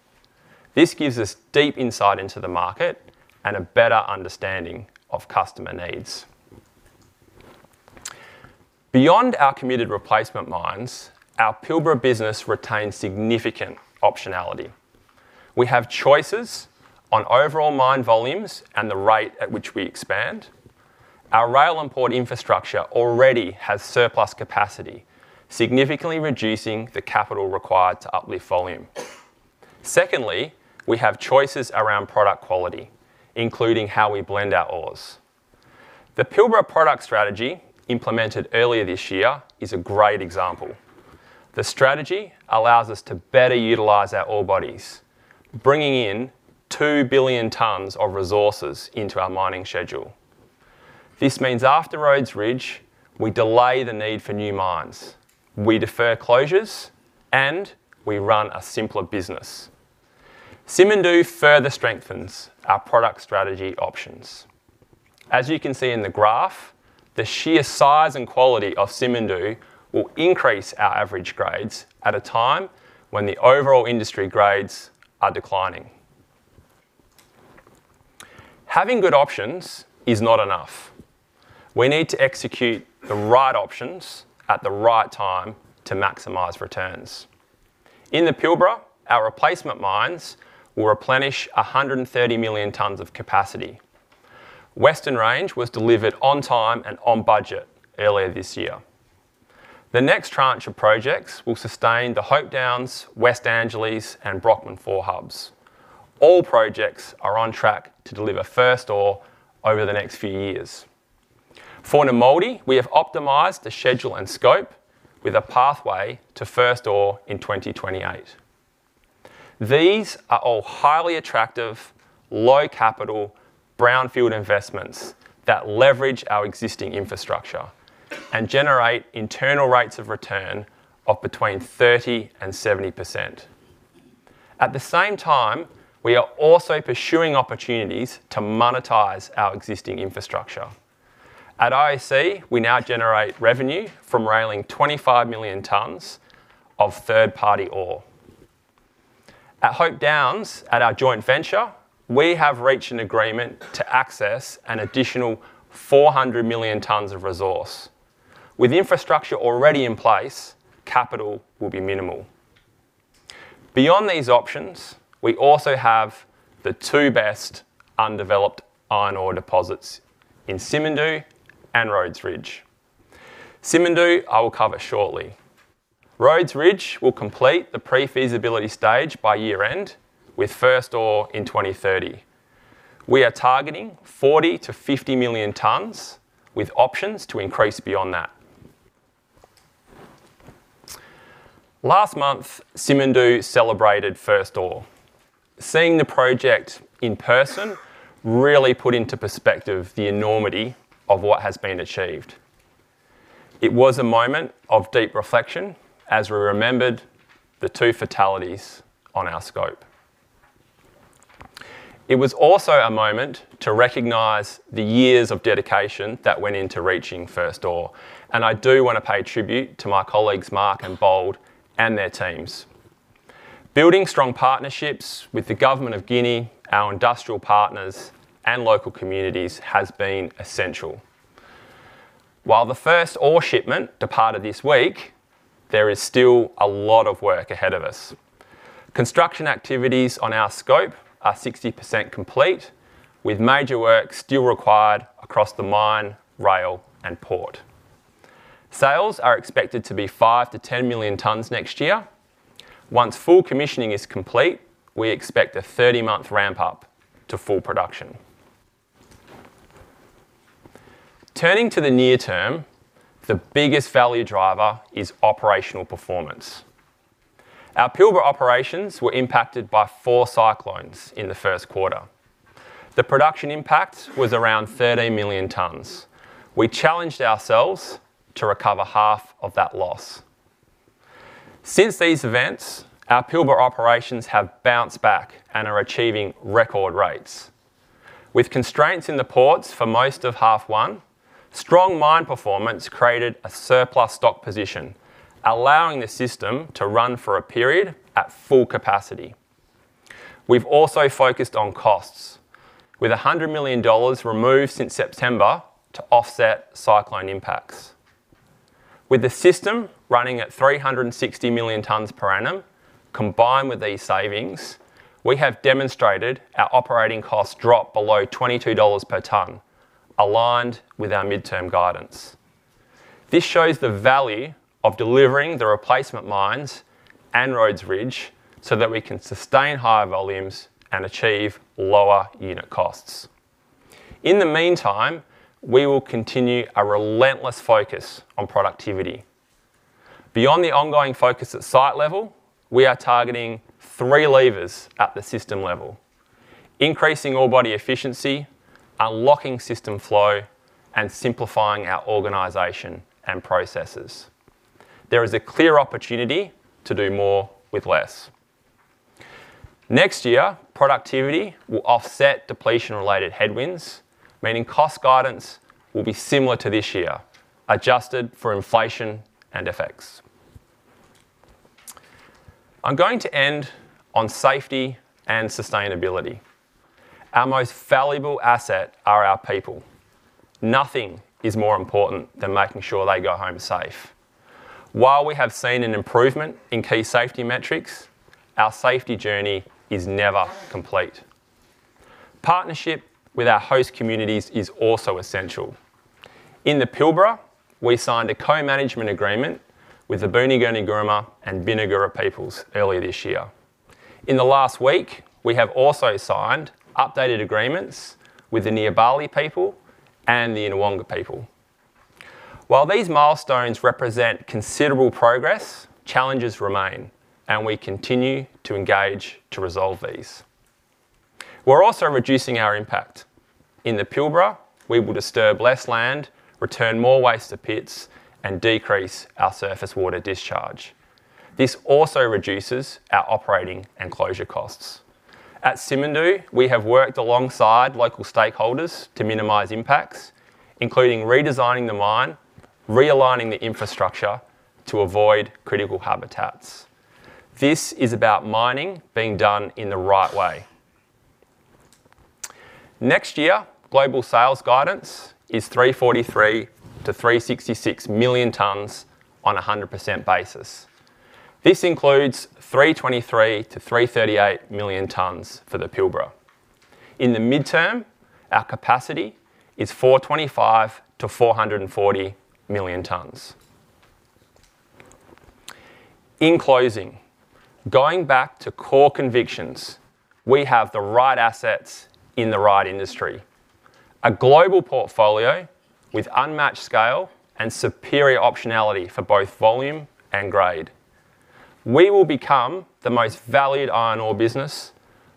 S5: This gives us deep insight into the market and a better understanding of customer needs. Beyond our committed replacement mines, our Pilbara business retains significant optionality. We have choices on overall mine volumes and the rate at which we expand. Our rail and port infrastructure already has surplus capacity, significantly reducing the capital required to uplift volume. Secondly, we have choices around product quality, including how we blend our ores. The Pilbara product strategy implemented earlier this year is a great example. The strategy allows us to better utilize our ore bodies, bringing in 2 billion tons of resources into our mining schedule. This means after Rhodes Ridge, we delay the need for new mines, we defer closures, and we run a simpler business. Simandou further strengthens our product strategy options. As you can see in the graph, the sheer size and quality of Simandou will increase our average grades at a time when the overall industry grades are declining. Having good options is not enough. We need to execute the right options at the right time to maximize returns. In the Pilbara, our replacement mines will replenish 130 million tons of capacity. Western Range was delivered on time and on budget earlier this year. The next tranche of projects will sustain the Hope Downs, West Angelas, and Brockman 4 hubs. All projects are on track to deliver first ore over the next few years. For Nammuldi, we have optimized the schedule and scope with a pathway to first ore in 2028. These are all highly attractive, low-capital brownfield investments that leverage our existing infrastructure and generate internal rates of return of between 30% and 70%. At the same time, we are also pursuing opportunities to monetize our existing infrastructure. At IOC, we now generate revenue from railing 25 million tons of third-party ore. At Hope Downs, at our joint venture, we have reached an agreement to access an additional 400 million tons of resource. With infrastructure already in place, capital will be minimal. Beyond these options, we also have the two best undeveloped iron ore deposits in Simandou and Rhodes Ridge. Simandou I will cover shortly. Rhodes Ridge will complete the pre-feasibility stage by year-end with first ore in 2030. We are targeting 40-50 million tons, with options to increase beyond that. Last month, Simandou celebrated first ore. Seeing the project in person really put into perspective the enormity of what has been achieved. It was a moment of deep reflection as we remembered the two fatalities on our scope. It was also a moment to recognize the years of dedication that went into reaching first ore. I do want to pay tribute to my colleagues Mark and Bold and their teams. Building strong partnerships with the Government of Guinea, our industrial partners, and local communities has been essential. While the first ore shipment departed this week, there is still a lot of work ahead of us. Construction activities on our scope are 60% complete, with major work still required across the mine, rail, and port. Sales are expected to be five to 10 million tons next year. Once full commissioning is complete, we expect a 30-month ramp-up to full production. Turning to the near term, the biggest value driver is operational performance. Our Pilbara operations were impacted by four cyclones in the first quarter. The production impact was around 13 million tons. We challenged ourselves to recover half of that loss. Since these events, our Pilbara operations have bounced back and are achieving record rates. With constraints in the ports for most of half-one, strong mine performance created a surplus stock position, allowing the system to run for a period at full capacity. We've also focused on costs, with $100 million removed since September to offset cyclone impacts. With the system running at 360 million tons per annum, combined with these savings, we have demonstrated our operating costs drop below $22 per ton, aligned with our midterm guidance. This shows the value of delivering the replacement mines and Rhodes Ridge so that we can sustain higher volumes and achieve lower unit costs. In the meantime, we will continue a relentless focus on productivity. Beyond the ongoing focus at site level, we are targeting three levers at the system level: increasing ore body efficiency, unlocking system flow, and simplifying our organization and processes. There is a clear opportunity to do more with less. Next year, productivity will offset depletion-related headwinds, meaning cost guidance will be similar to this year, adjusted for inflation and effects. I'm going to end on safety and sustainability. Our most valuable asset are our people. Nothing is more important than making sure they go home safe. While we have seen an improvement in key safety metrics, our safety journey is never complete. Partnership with our host communities is also essential. In the Pilbara, we signed a co-management agreement with the Puutu Kunti Kurrama and Pinikura peoples earlier this year. In the last week, we have also signed updated agreements with the Nyiyaparli people and the Yinhawangka people. While these milestones represent considerable progress, challenges remain, and we continue to engage to resolve these. We're also reducing our impact. In the Pilbara, we will disturb less land, return more waste to pits, and decrease our surface water discharge. This also reduces our operating and closure costs. At Simandou, we have worked alongside local stakeholders to minimize impacts, including redesigning the mine, realigning the infrastructure to avoid critical habitats. This is about mining being done in the right way. Next year, global sales guidance is 343-366 million tons on a 100% basis. This includes 323-338 million tons for the Pilbara. In the midterm, our capacity is 425-440 million tons. In closing, going back to core convictions, we have the right assets in the right industry: a global portfolio with unmatched scale and superior optionality for both volume and grade. We will become the most valued iron ore business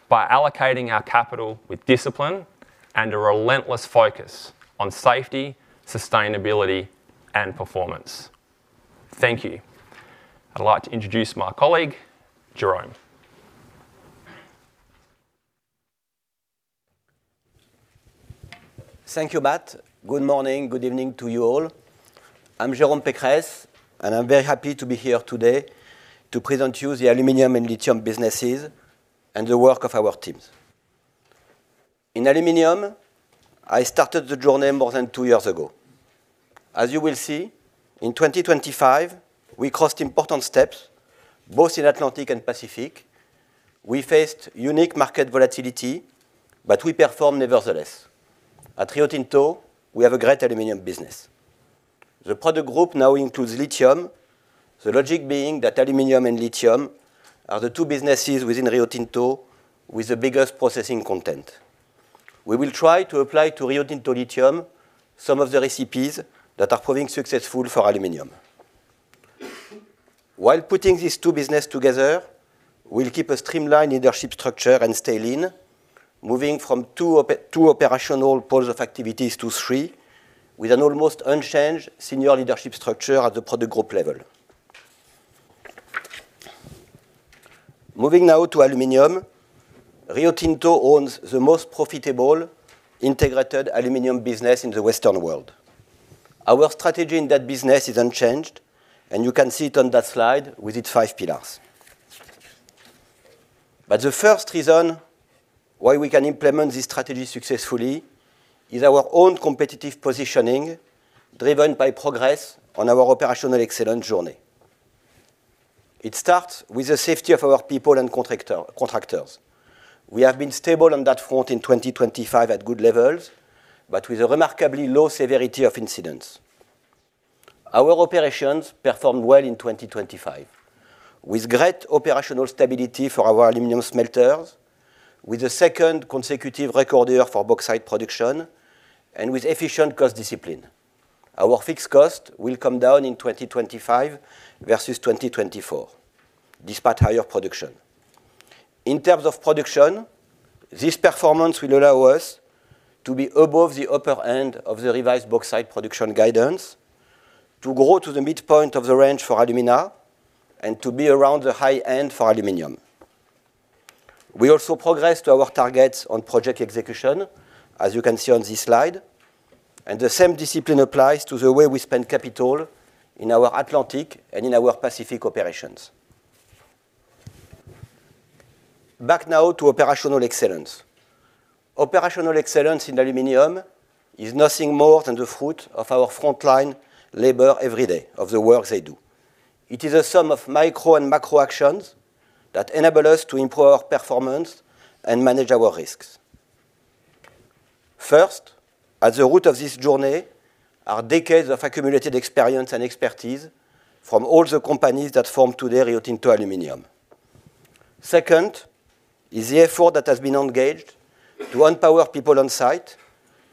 S5: by allocating our capital with discipline and a relentless focus on safety, sustainability, and performance. Thank you. I'd like to introduce my colleague, Jérôme.
S6: Thank you, Matt. Good morning, good evening to you all. I'm Jérôme Pécresse, and I'm very happy to be here today to present to you the aluminum and lithium businesses and the work of our teams. In aluminum, I started the journey more than two years ago. As you will see, in 2025, we crossed important steps, both in Atlantic and Pacific. We faced unique market volatility, but we performed nevertheless. At Rio Tinto, we have a great aluminum business. The product group now includes lithium, the logic being that aluminum and lithium are the two businesses within Rio Tinto with the biggest processing content. We will try to apply to Rio Tinto Lithium some of the recipes that are proving successful for aluminum. While putting these two businesses together, we'll keep a streamlined leadership structure and stay lean, moving from two operational pools of activities to three, with an almost unchanged senior leadership structure at the product group level. Moving now to aluminum, Rio Tinto owns the most profitable integrated aluminum business in the western world. Our strategy in that business is unchanged, and you can see it on that slide with its five pillars. But the first reason why we can implement this strategy successfully is our own competitive positioning, driven by progress on our operational excellence journey. It starts with the safety of our people and contractors. We have been stable on that front in 2025 at good levels, but with a remarkably low severity of incidents. Our operations performed well in 2025, with great operational stability for our aluminum smelters, with the second consecutive record year for bauxite production, and with efficient cost discipline. Our fixed cost will come down in 2025 versus 2024, despite higher production. In terms of production, this performance will allow us to be above the upper end of the revised bauxite production guidance, to grow to the midpoint of the range for alumina, and to be around the high end for aluminum. We also progressed our targets on project execution, as you can see on this slide, and the same discipline applies to the way we spend capital in our Atlantic and in our Pacific operations. Back now to operational excellence. Operational excellence in aluminum is nothing more than the fruit of our frontline labor every day of the work they do. It is a sum of micro and macro actions that enable us to improve our performance and manage our risks. First, at the root of this journey are decades of accumulated experience and expertise from all the companies that formed today Rio Tinto Aluminium. Second, is the effort that has been engaged to empower people on site,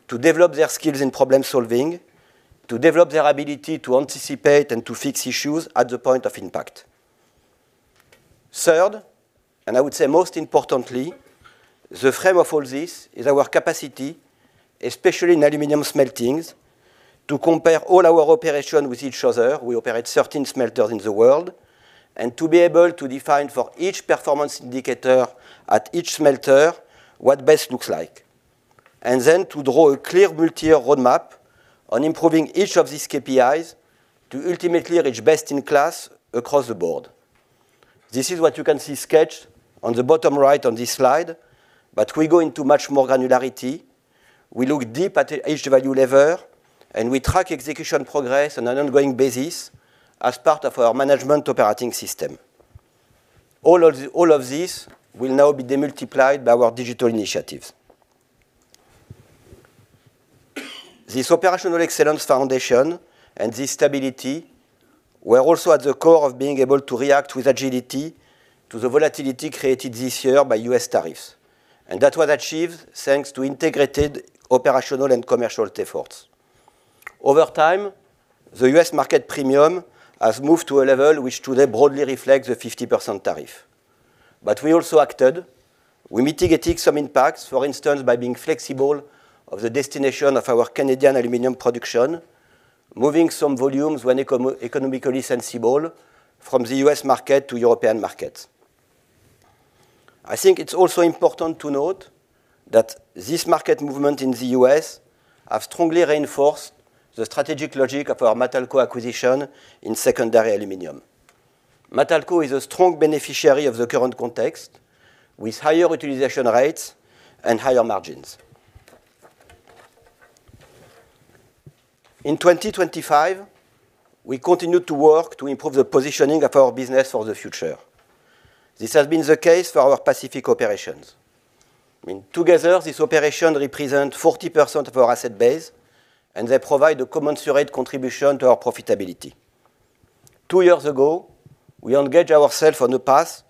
S6: to develop their skills in problem-solving, to develop their ability to anticipate and to fix issues at the point of impact. Third, and I would say most importantly, the frame of all this is our capacity, especially in aluminum smelters, to compare all our operations with each other. We operate 13 smelters in the world, and to be able to define for each performance indicator at each smelter what best looks like, and then to draw a clear multi-year roadmap on improving each of these KPIs to ultimately reach best-in-class across the board. This is what you can see sketched on the bottom right on this slide, but we go into much more granularity. We look deep at each value lever, and we track execution progress on an ongoing basis as part of our management operating system. All of these will now be demultiplied by our digital initiatives. This operational excellence foundation and this stability were also at the core of being able to react with agility to the volatility created this year by U.S. tariffs. And that was achieved thanks to integrated operational and commercial efforts. Over time, the U.S. market premium has moved to a level which today broadly reflects the 50% tariff. But we also acted. We mitigated some impacts, for instance, by being flexible on the destination of our Canadian aluminum production, moving some volumes when economically sensible from the U.S. market to European markets. I think it's also important to note that these market movements in the U.S. have strongly reinforced the strategic logic of our Matalco acquisition in secondary aluminum. Matalco is a strong beneficiary of the current context, with higher utilization rates and higher margins. In 2025, we continue to work to improve the positioning of our business for the future. This has been the case for our Pacific operations. Together, these operations represent 40% of our asset base, and they provide a commensurate contribution to our profitability. Two years ago, we engaged ourselves on a path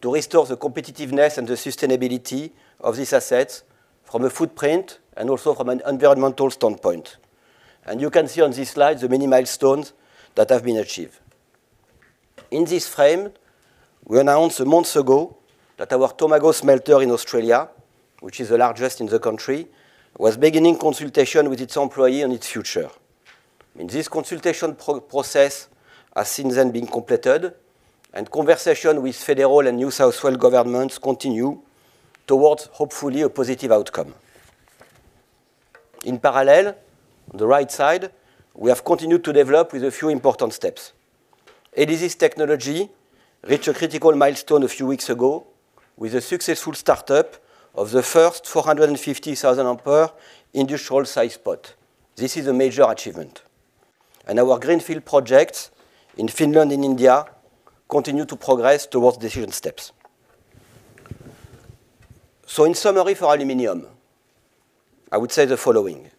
S6: to restore the competitiveness and the sustainability of these assets from a footprint and also from an environmental standpoint. You can see on this slide the many milestones that have been achieved. In this frame, we announced months ago that our Tomago smelter in Australia, which is the largest in the country, was beginning consultation with its employees on its future. This consultation process has since then been completed, and conversations with federal and New South Wales governments continue towards, hopefully, a positive outcome. In parallel, on the right side, we have continued to develop with a few important steps. Elysis technology reached a critical milestone a few weeks ago with the successful startup of the first 450,000-ampere industrial-size pot. This is a major achievement. And our greenfield projects in Finland and India continue to progress towards decision steps. So, in summary for aluminum, I would say the following: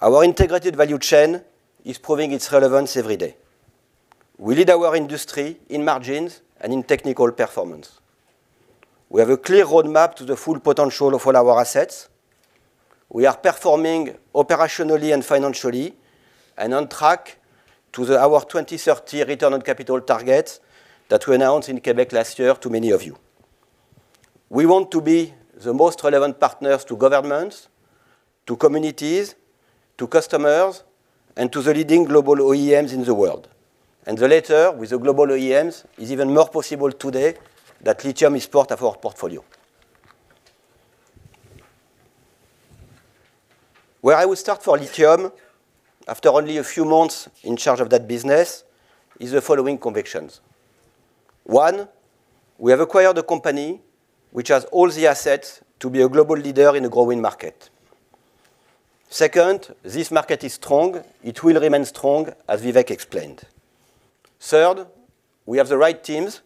S6: our integrated value chain is proving its relevance every day. We lead our industry in margins and in technical performance. We have a clear roadmap to the full potential of all our assets. We are performing operationally and financially and on track to our 2030 return on capital target that we announced in Quebec last year to many of you. We want to be the most relevant partners to governments, to communities, to customers, and to the leading global OEMs in the world. And the latter, with the global OEMs, is even more possible today that lithium is part of our portfolio. Where I will start for lithium, after only a few months in charge of that business, is the following convictions. One, we have acquired a company which has all the assets to be a global leader in a growing market. Second, this market is strong. It will remain strong, as Vivek explained. Third, we have the right teams.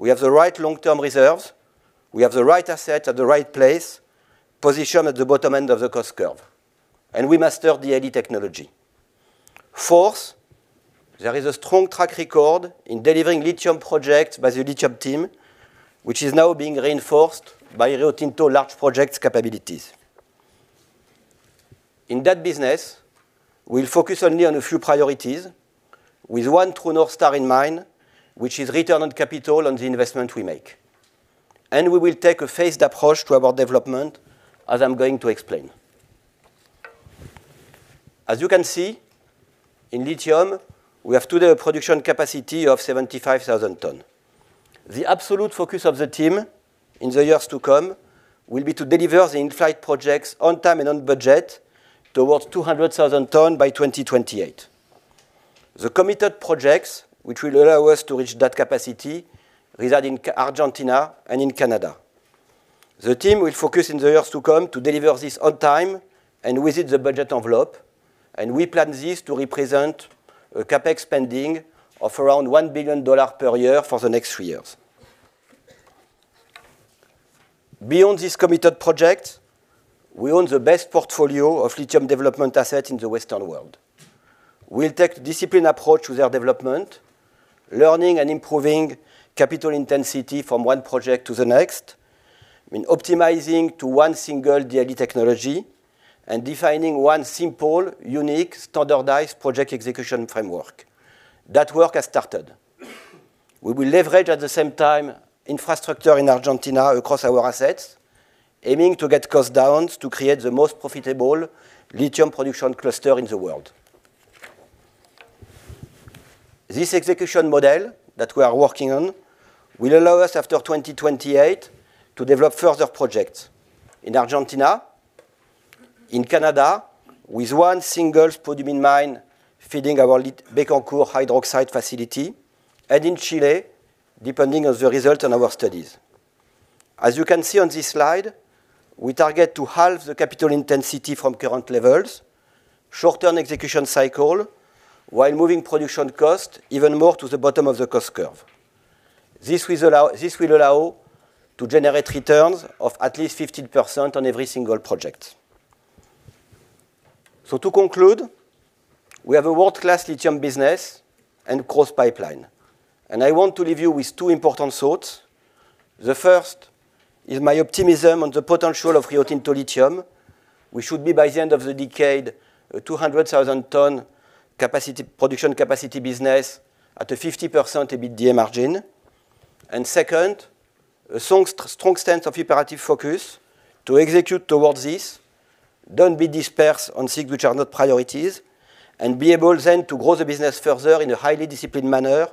S6: We have the right long-term reserves. We have the right assets at the right place, positioned at the bottom end of the cost curve. And we mastered the DLE technology. Fourth, there is a strong track record in delivering lithium projects by the lithium team, which is now being reinforced by Rio Tinto's large project capabilities. In that business, we'll focus only on a few priorities, with one true North Star in mind, which is return on capital on the investment we make. And we will take a phased approach to our development, as I'm going to explain. As you can see, in lithium, we have today a production capacity of 75,000 tons. The absolute focus of the team in the years to come will be to deliver the in-flight projects on time and on budget towards 200,000 tons by 2028. The committed projects which will allow us to reach that capacity reside in Argentina and in Canada. The team will focus in the years to come to deliver this on time and within the budget envelope. And we plan this to represent a CapEx spending of around $1 billion per year for the next three years. Beyond these committed projects, we own the best portfolio of lithium development assets in the Western world. We'll take a disciplined approach to their development, learning and improving capital intensity from one project to the next, optimizing to one single DLE technology, and defining one simple, unique, standardized project execution framework. That work has started. We will leverage, at the same time, infrastructure in Argentina across our assets, aiming to get cost down to create the most profitable lithium production cluster in the world. This execution model that we are working on will allow us, after 2028, to develop further projects in Argentina, in Canada, with one single spodumene mine feeding our Bécancour hydroxide facility, and in Chile, depending on the results on our studies. As you can see on this slide, we target to halve the capital intensity from current levels, shorten execution cycle, while moving production costs even more to the bottom of the cost curve. This will allow to generate returns of at least 15% on every single project. So, to conclude, we have a world-class lithium business and growth pipeline. And I want to leave you with two important thoughts. The first is my optimism on the potential of Rio Tinto Lithium. We should be, by the end of the decade, a 200,000-ton production capacity business at a 50% EBITDA margin. And second, a strong stance of operative focus to execute towards this, don't be dispersed on things which are not priorities, and be able then to grow the business further in a highly disciplined manner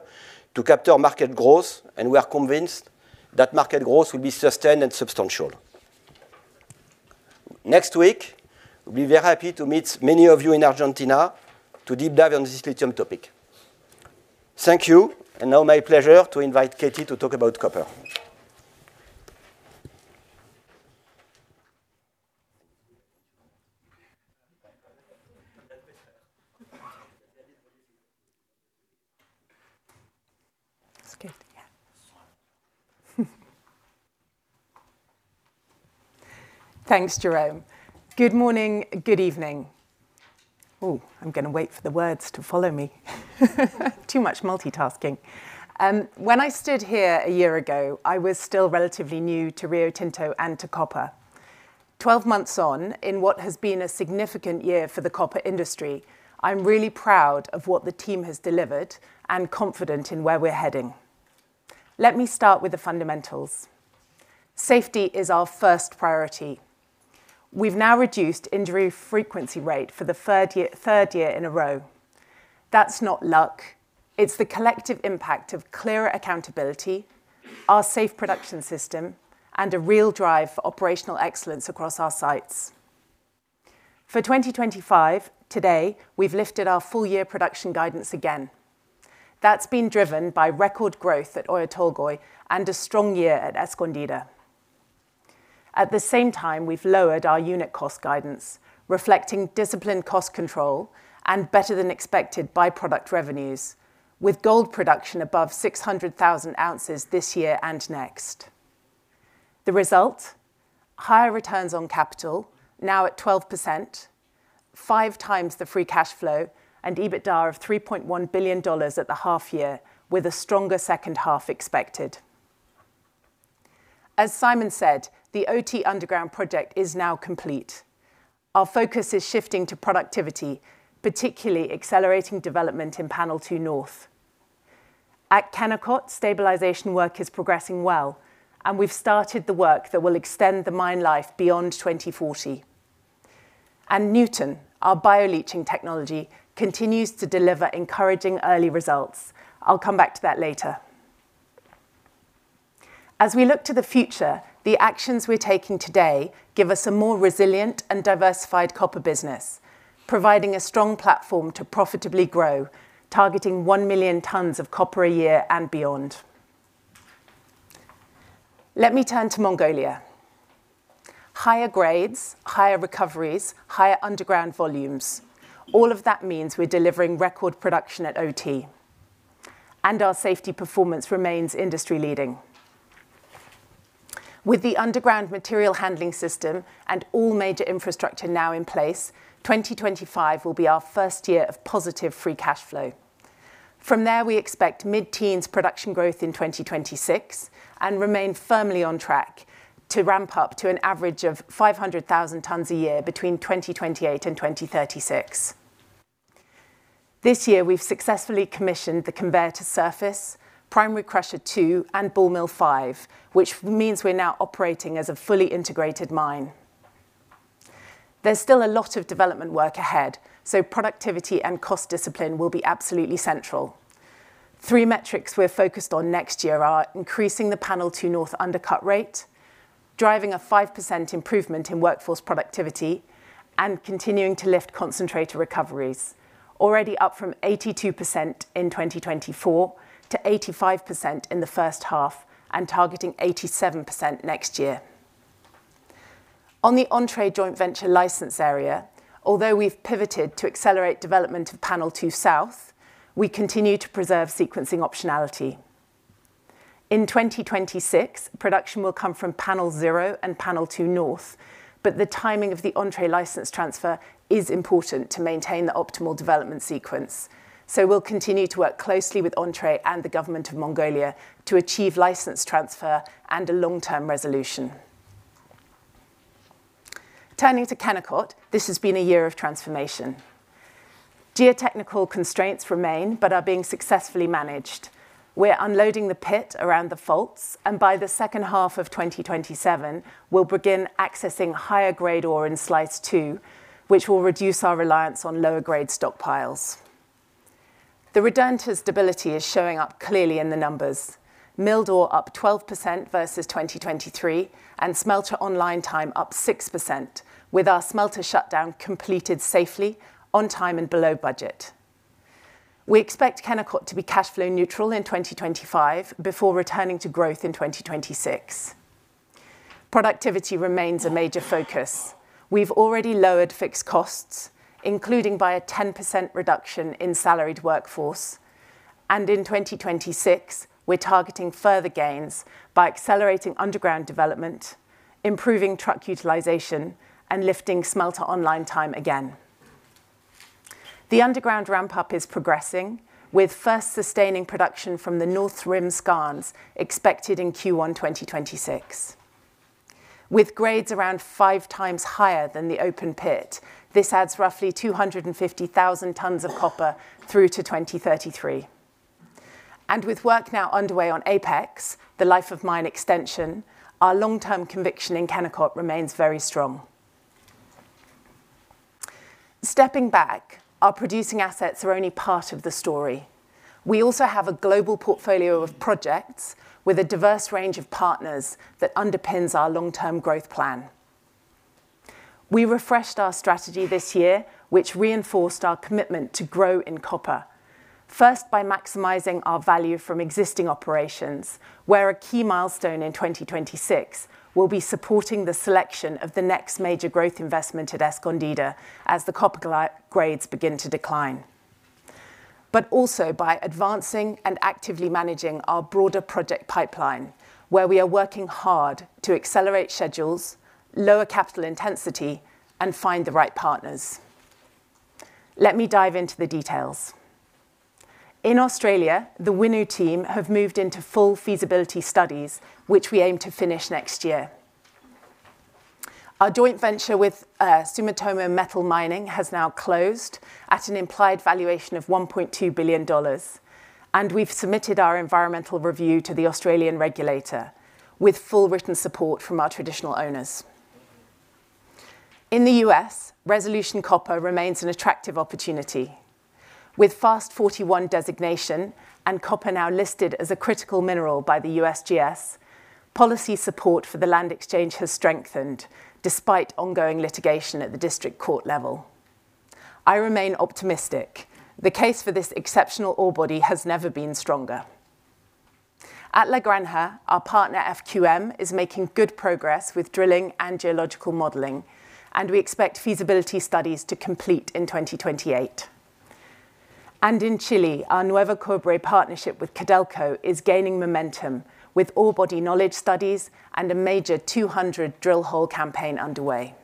S6: to capture market growth. We are convinced that market growth will be sustained and substantial. Next week, we'll be very happy to meet many of you in Argentina to deep dive on this lithium topic. Thank you. Now, my pleasure to invite Katie to talk about copper. Thanks, Jérôme. Good morning. Good evening. Oh, I'm going to wait for the words to follow me. Too much multitasking. When I stood here a year ago, I was still relatively new to Rio Tinto and to copper. Twelve months on, in what has been a significant year for the copper industry, I'm really proud of what the team has delivered and confident in where we're heading. Let me start with the fundamentals. Safety is our first priority. We've now reduced injury frequency rate for the third year in a row. That's not luck. It's the collective impact of clearer accountability, our safe production system, and a real drive for operational excellence across our sites. For 2025, today, we've lifted our full-year production guidance again. That's been driven by record growth at Oyu Tolgoi and a strong year at Escondida. At the same time, we've lowered our unit cost guidance, reflecting disciplined cost control and better-than-expected byproduct revenues, with gold production above 600,000 ounces this year and next. The result? Higher returns on capital, now at 12%, five times the free cash flow, and EBITDA of $3.1 billion at the half-year, with a stronger second half expected. As Simon said, the OT underground project is now complete. Our focus is shifting to productivity, particularly accelerating development in Panel 2 North. At Kennecott, stabilization work is progressing well, and we've started the work that will extend the mine life beyond 2040. Nuton, our bio-leaching technology, continues to deliver encouraging early results. I'll come back to that later. As we look to the future, the actions we're taking today give us a more resilient and diversified copper business, providing a strong platform to profitably grow, targeting one million tons of copper a year and beyond. Let me turn to Mongolia. Higher grades, higher recoveries, higher underground volumes. All of that means we're delivering record production at OT, and our safety performance remains industry-leading. With the underground material handling system and all major infrastructure now in place, 2025 will be our first year of positive free cash flow. From there, we expect mid-teens production growth in 2026 and remain firmly on track to ramp up to an average of 500,000 tons a year between 2028 and 2036. This year, we've successfully commissioned the conveyor to surface, Primary Crusher 2, and Ball Mill 5, which means we're now operating as a fully integrated mine. There's still a lot of development work ahead, so productivity and cost discipline will be absolutely central. Three metrics we're focused on next year are increasing the Panel 2 North undercut rate, driving a 5% improvement in workforce productivity, and continuing to lift concentrator recoveries, already up from 82% in 2024 to 85% in the first half and targeting 87% next year. On the Oyu Tolgoi joint venture license area, although we've pivoted to accelerate development of Panel 2 South, we continue to preserve sequencing optionality. In 2026, production will come from Panel 0 and Panel 2 North, but the timing of the Oyu Tolgoi license transfer is important to maintain the optimal development sequence. So we'll continue to work closely with Entrée and the government of Mongolia to achieve license transfer and a long-term resolution. Turning to Oyu Tolgoi, this has been a year of transformation. Geotechnical constraints remain, but are being successfully managed. We're unloading the pit around the faults, and by the second half of 2027, we'll begin accessing higher-grade ore in Slice 2, which will reduce our reliance on lower-grade stockpiles. The return to stability is showing up clearly in the numbers. Milled ore up 12% versus 2023, and smelter online time up 6%, with our smelter shutdown completed safely, on time, and below budget. We expect Oyu Tolgoi to be cash flow neutral in 2025 before returning to growth in 2026. Productivity remains a major focus. We've already lowered fixed costs, including by a 10% reduction in salaried workforce. In 2026, we're targeting further gains by accelerating underground development, improving truck utilization, and lifting smelter online time again. The underground ramp-up is progressing, with first sustaining production from the North Rim shafts expected in Q1 2026. With grades around five times higher than the open pit, this adds roughly 250,000 tons of copper through to 2033. And with work now underway on APEX, the life of mine extension, our long-term conviction in Kennecott remains very strong. Stepping back, our producing assets are only part of the story. We also have a global portfolio of projects with a diverse range of partners that underpins our long-term growth plan. We refreshed our strategy this year, which reinforced our commitment to grow in copper, first by maximizing our value from existing operations, where a key milestone in 2026 will be supporting the selection of the next major growth investment at Escondida as the copper grades begin to decline, but also by advancing and actively managing our broader project pipeline, where we are working hard to accelerate schedules, lower capital intensity, and find the right partners. Let me dive into the details. In Australia, the Winu team have moved into full feasibility studies, which we aim to finish next year. Our joint venture with Sumitomo Metal Mining has now closed at an implied valuation of $1.2 billion, and we've submitted our environmental review to the Australian regulator with full written support from our Traditional Owners. In the U.S., Resolution Copper remains an attractive opportunity. With FAST-41 designation and copper now listed as a critical mineral by the USGS, policy support for the land exchange has strengthened despite ongoing litigation at the district court level. I remain optimistic. The case for this exceptional ore body has never been stronger. At La Granja, our partner FQM is making good progress with drilling and geological modeling, and we expect feasibility studies to complete in 2028. In Chile, our Nuevo Cobre partnership with Codelco is gaining momentum with ore body knowledge studies and a major 200 drill hole campaign underway.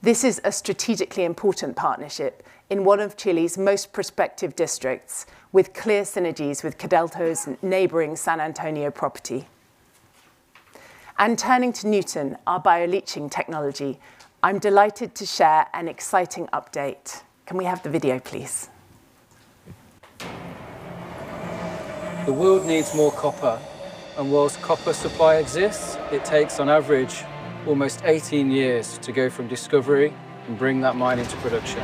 S6: This is a strategically important partnership in one of Chile's most prospective districts, with clear synergies with Codelco's neighboring San Antonio property. Turning to Nuton, our bio-leaching technology, I'm delighted to share an exciting update. Can we have the video, please?
S7: The world needs more copper. While copper supply exists, it takes, on average, almost 18 years to go from discovery and bring that mine into production.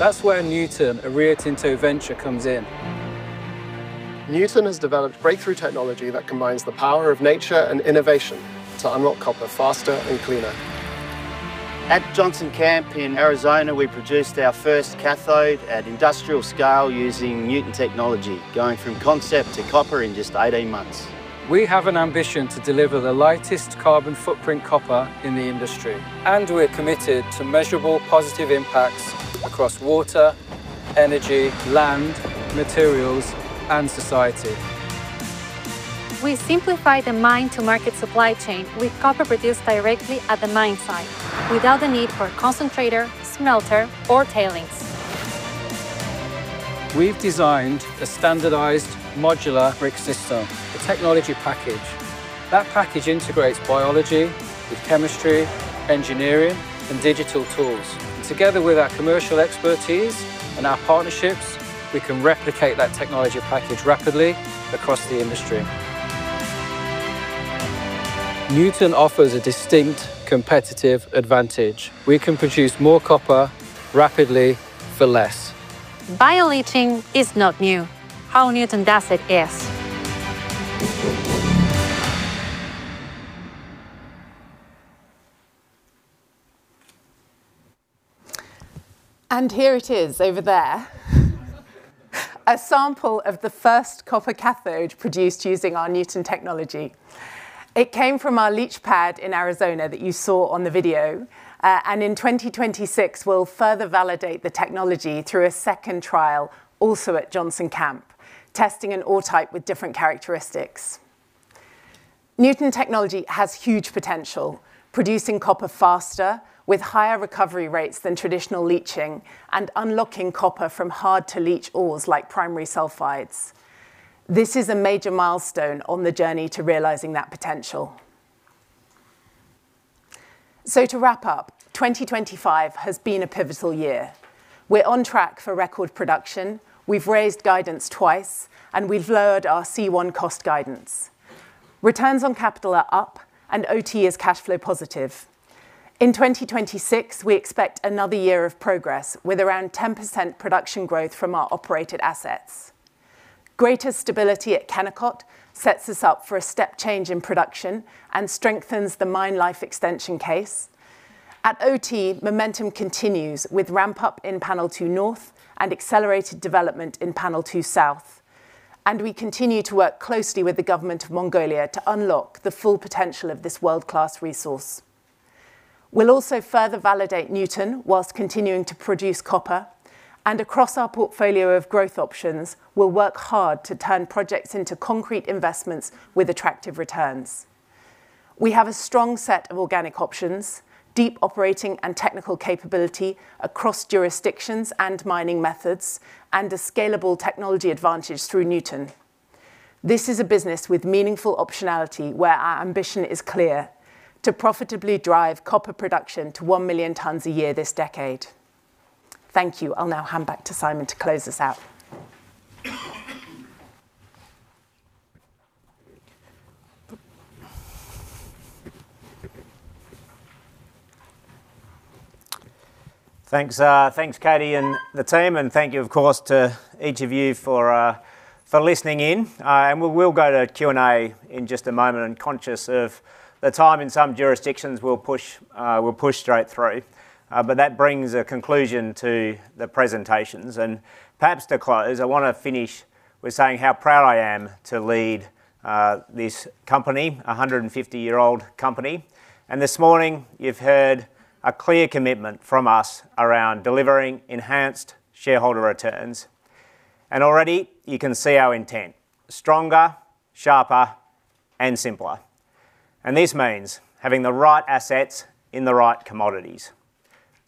S7: That's where Nuton, a Rio Tinto venture, comes in. Nuton has developed breakthrough technology that combines the power of nature and innovation to unlock copper faster and cleaner. At Johnson Camp in Arizona, we produced our first cathode at industrial scale using Nuton technology, going from concept to copper in just 18 months. We have an ambition to deliver the lightest carbon footprint copper in the industry, and we're committed to measurable positive impacts across water, energy, land, materials, and society. We simplify the mine-to-market supply chain with copper produced directly at the mine site, without the need for a concentrator, smelter, or tailings. We've designed a standardized modular brick system, a technology package. That package integrates biology with chemistry, engineering, and digital tools. Together with our commercial expertise and our partnerships, we can replicate that technology package rapidly across the industry. Nuton offers a distinct competitive advantage. We can produce more copper rapidly for less. Bio-leaching is not new. How Nuton does it is.
S8: And here it is over there, a sample of the first copper cathode produced using our Nuton technology. It came from our leach pad in Arizona that you saw on the video. And in 2026, we'll further validate the technology through a second trial, also at Johnson Camp, testing an ore type with different characteristics. Nuton technology has huge potential, producing copper faster with higher recovery rates than traditional leaching and unlocking copper from hard-to-leach ores like primary sulfides. This is a major milestone on the journey to realizing that potential. To wrap up, 2025 has been a pivotal year. We're on track for record production. We've raised guidance twice, and we've lowered our C1 cost guidance. Returns on capital are up, and OT is cash flow positive. In 2026, we expect another year of progress with around 10% production growth from our operated assets. Greater stability at Kennecott sets us up for a step change in production and strengthens the mine life extension case. At OT, momentum continues with ramp-up in Panel 2 North and accelerated development in Panel 2 South. And we continue to work closely with the government of Mongolia to unlock the full potential of this world-class resource. We'll also further validate Nuton whilst continuing to produce copper. And across our portfolio of growth options, we'll work hard to turn projects into concrete investments with attractive returns. We have a strong set of organic options, deep operating and technical capability across jurisdictions and mining methods, and a scalable technology advantage through Nuton. This is a business with meaningful optionality where our ambition is clear: to profitably drive copper production to 1 million tons a year this decade. Thank you. I'll now hand back to Simon to close us out.
S2: Thanks, Katie and the team. And thank you, of course, to each of you for listening in. And we will go to Q&A in just a moment. And conscious of the time in some jurisdictions, we'll push straight through. But that brings a conclusion to the presentations. And perhaps to close, I want to finish with saying how proud I am to lead this company, a 150-year-old company. And this morning, you've heard a clear commitment from us around delivering enhanced shareholder returns. And already, you can see our intent: stronger, sharper, and simpler. And this means having the right assets in the right commodities,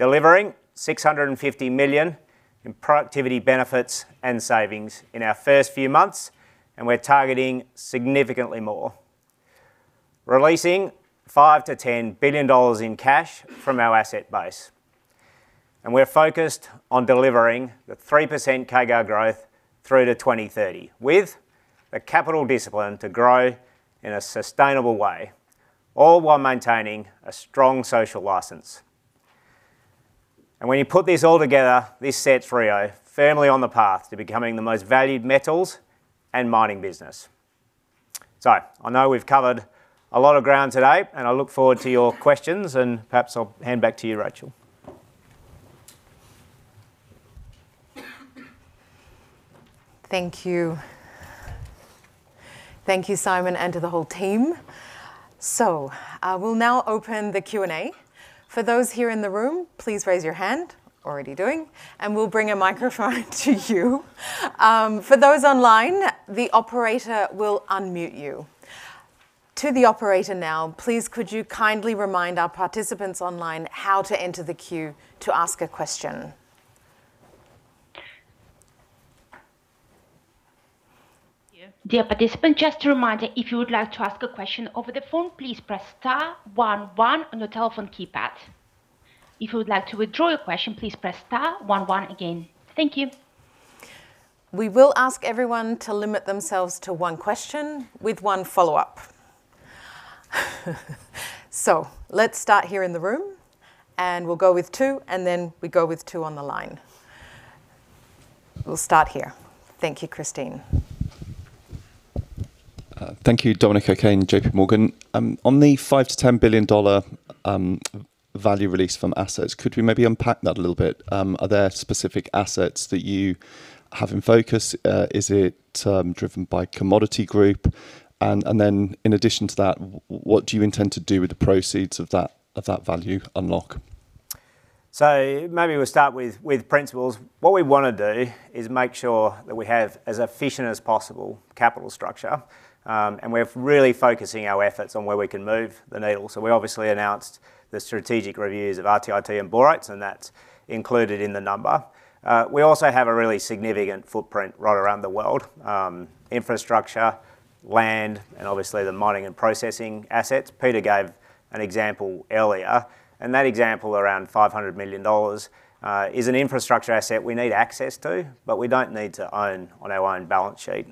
S2: delivering $650 million in productivity benefits and savings in our first few months, and we're targeting significantly more, releasing $5-$10 billion in cash from our asset base. And we're focused on delivering the 3% CAGR growth through to 2030 with the capital discipline to grow in a sustainable way, all while maintaining a strong social license. And when you put this all together, this sets Rio firmly on the path to becoming the most valued metals and mining business. So I know we've covered a lot of ground today, and I look forward to your questions. And perhaps I'll hand back to you, Rachel.
S1: Thank you. Thank you, Simon, and to the whole team. So we'll now open the Q&A. For those here in the room, please raise your hand. Already doing. We'll bring a microphone to you. For those online, the operator will unmute you. To the operator now, please, could you kindly remind our participants online how to enter the queue to ask a question?
S9: Dear participant, just a reminder, if you would like to ask a question over the phone, please press *11 on your telephone keypad. If you would like to withdraw your question, please press *11 again. Thank you.
S1: We will ask everyone to limit themselves to one question with one follow-up. Let's start here in the room, and we'll go with two, and then we go with two on the line. We'll start here. Thank you, Christine.
S10: Thank you, Dominic O'Kane, JPMorgan. On the $5-$10 billion value released from assets, could we maybe unpack that a little bit? Are there specific assets that you have in focus? Is it driven by Commodity Group? And then, in addition to that, what do you intend to do with the proceeds of that value unlock?
S2: So maybe we'll start with principles. What we want to do is make sure that we have as efficient as possible capital structure. And we're really focusing our efforts on where we can move the needle. So we obviously announced the strategic reviews of RTIT and Borates, and that's included in the number. We also have a really significant footprint right around the world: infrastructure, land, and obviously the mining and processing assets. Peter gave an example earlier. And that example around $500 million is an infrastructure asset we need access to, but we don't need to own on our own balance sheet.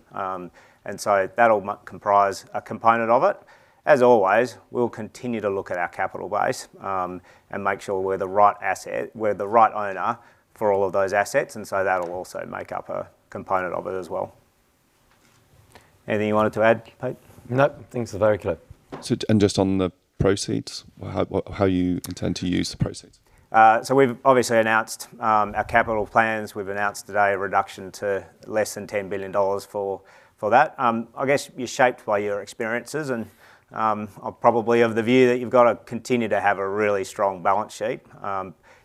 S2: And so that'll comprise a component of it. As always, we'll continue to look at our capital base and make sure we're the right asset, we're the right owner for all of those assets. And so that'll also make up a component of it as well. Anything you wanted to add, Pete?
S3: Nope. Things are very clear.
S10: And just on the proceeds, how you intend to use the proceeds?
S2: So we've obviously announced our capital plans. We've announced today a reduction to less than $10 billion for that. I guess you're shaped by your experiences. And I'm probably of the view that you've got to continue to have a really strong balance sheet.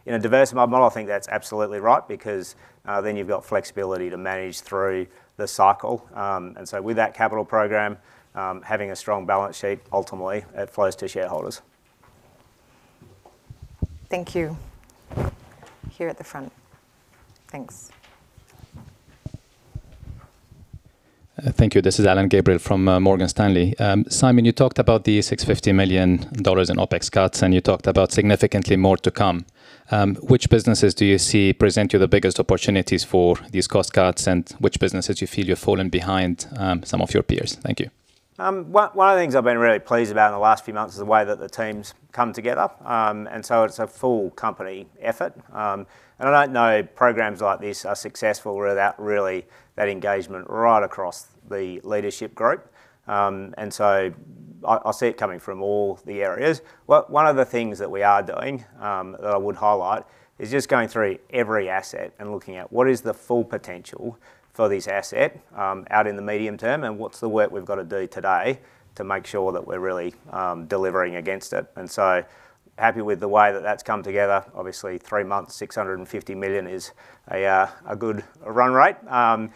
S2: In a diverse model, I think that's absolutely right because then you've got flexibility to manage through the cycle. And so with that capital program, having a strong balance sheet, ultimately, it flows to shareholders.
S1: Thank you. Here at the front. Thanks.
S11: Thank you. This is Alain Gabriel from Morgan Stanley. Simon, you talked about the $650 million in OPEX cuts, and you talked about significantly more to come. Which businesses do you see present you the biggest opportunities for these cost cuts, and which businesses do you feel you've fallen behind some of your peers? Thank you.
S2: One of the things I've been really pleased about in the last few months is the way that the teams come together. It's a full company effort. I don't know programs like this are successful without really that engagement right across the leadership group. I see it coming from all the areas. One of the things that we are doing that I would highlight is just going through every asset and looking at what is the full potential for this asset out in the medium term and what's the work we've got to do today to make sure that we're really delivering against it, and so happy with the way that that's come together. Obviously, three months, $650 million is a good run rate, and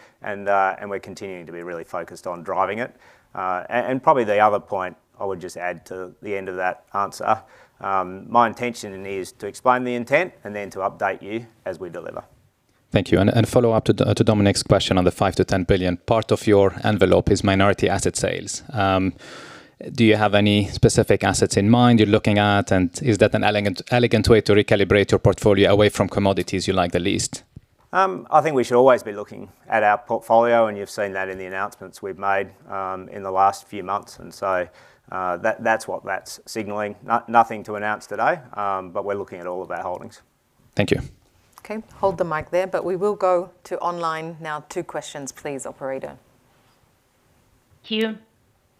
S2: we're continuing to be really focused on driving it, and probably the other point I would just add to the end of that answer, my intention is to explain the intent and then to update you as we deliver.
S11: Thank you, and a follow-up to Dominic's question on the $5-$10 billion. Part of your envelope is minority asset sales. Do you have any specific assets in mind you're looking at, and is that an elegant way to recalibrate your portfolio away from commodities you like the least?
S2: I think we should always be looking at our portfolio, and you've seen that in the announcements we've made in the last few months, and so that's what that's signaling. Nothing to announce today, but we're looking at all of our holdings. Thank you.
S1: Okay. Hold the mic there, but we will go to online now. Two questions, please, operator.
S9: Thank you.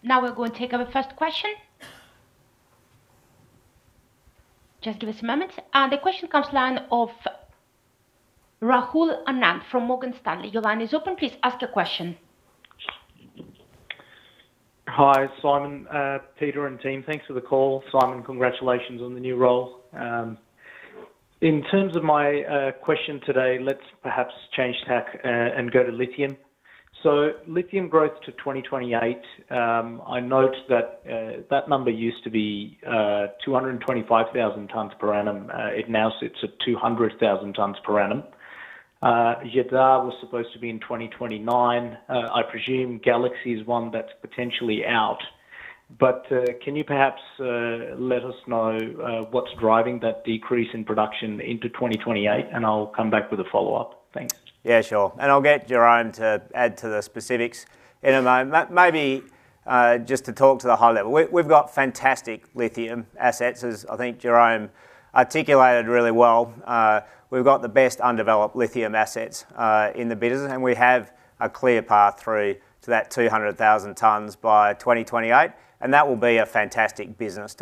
S9: Now we're going to take our first question. Just give us a moment. The question comes from Rahul Anand from Morgan Stanley. Your line is open. Please ask a question.
S12: Hi, Simon, Peter and team, thanks for the call. Simon, congratulations on the new role. In terms of my question today, let's perhaps change tack and go to lithium. Lithium growth to 2028. I note that that number used to be 225,000 tons per annum. It now sits at 200,000 tons per annum. Jadar was supposed to be in 2029. I presume Galaxy is one that's potentially out. But can you perhaps let us know what's driving that decrease in production into 2028? And I'll come back with a follow-up. Thanks.
S2: Yeah, sure. And I'll get Jérôme to add to the specifics in a moment. Maybe just to talk to the high level, we've got fantastic lithium assets, as I think Jérôme articulated really well. We've got the best undeveloped lithium assets in the business, and we have a clear path through to that 200,000 tons by 2028. And that will be a fantastic business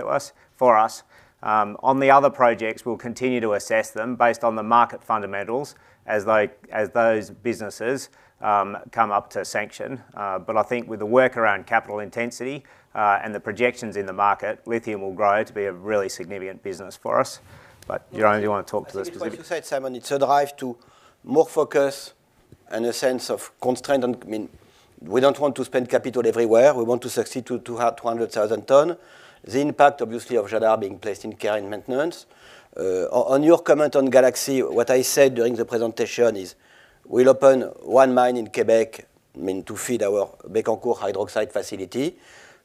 S2: for us. On the other projects, we'll continue to assess them based on the market fundamentals as those businesses come up to sanction. But I think with the work around capital intensity and the projections in the market, lithium will grow to be a really significant business for us. But Jérôme, do you want to talk to the specifics?
S6: As you said, Simon, it's a drive to more focus and a sense of constraint. I mean, we don't want to spend capital everywhere. We want to succeed to 200,000 tons. The impact, obviously, of Jadar being placed in care and maintenance. On your comment on Galaxy, what I said during the presentation is we'll open one mine in Quebec to feed our Bécancour hydroxide facility.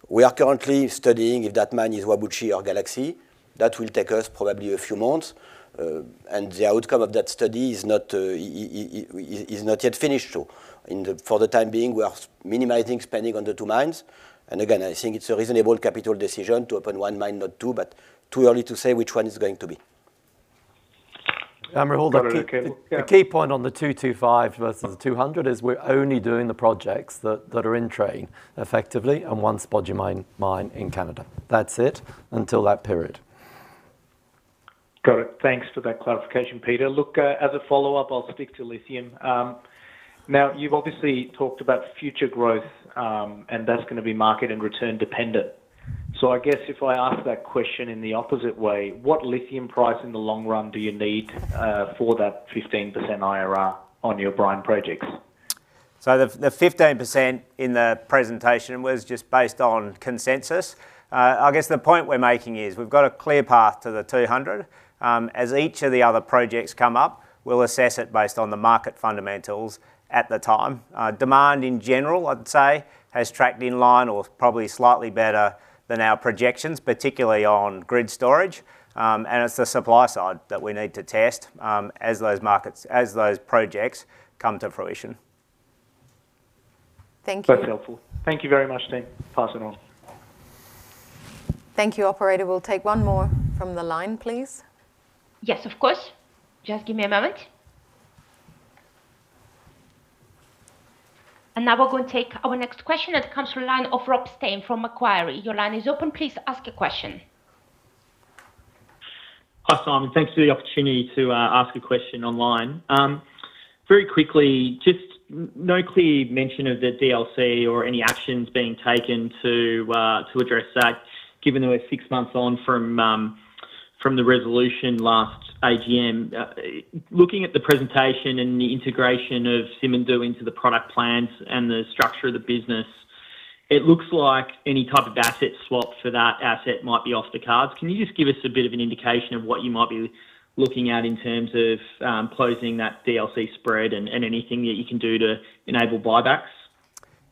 S6: We are currently studying if that mine is Whabouchi or Galaxy. That will take us probably a few months. And the outcome of that study is not yet finished. So for the time being, we are minimizing spending on the two mines. And again, I think it's a reasonable capital decision to open one mine, not two, but it's too early to say which one is going to be.
S3: I'm going to highlight the key point on the 225 versus the 200, which is we're only doing the projects that are in train, effectively, and one spodumene mine in Canada. That's it until that period.
S12: Got it. Thanks for that clarification, Peter. Look, as a follow-up, I'll stick to lithium. Now, you've obviously talked about future growth, and that's going to be market and return dependent. So I guess if I ask that question in the opposite way, what lithium price in the long run do you need for that 15% IRR on your brine projects?
S2: So the 15% in the presentation was just based on consensus. I guess the point we're making is we've got a clear path to the 200. As each of the other projects come up, we'll assess it based on the market fundamentals at the time. Demand in general, I'd say, has tracked in line or probably slightly better than our projections, particularly on grid storage, and it's the supply side that we need to test as those projects come to fruition.
S1: Thank you.
S12: That's helpful. Thank you very much, team. Pass it on.
S1: Thank you, operator. We'll take one more from the line, please.
S9: Yes, of course. Just give me a moment, and now we're going to take our next question that comes from the line of Rob Stein from Macquarie. Your line is open. Please ask a question.
S13: Hi, Simon. Thanks for the opportunity to ask a question online. Very quickly, just no clear mention of the DLC or any actions being taken to address that, given that we're six months on from the resolution last AGM. Looking at the presentation and the integration of Simandou into the product plans and the structure of the business, it looks like any type of asset swap for that asset might be off the cards. Can you just give us a bit of an indication of what you might be looking at in terms of closing that DLC spread and anything that you can do to enable buybacks?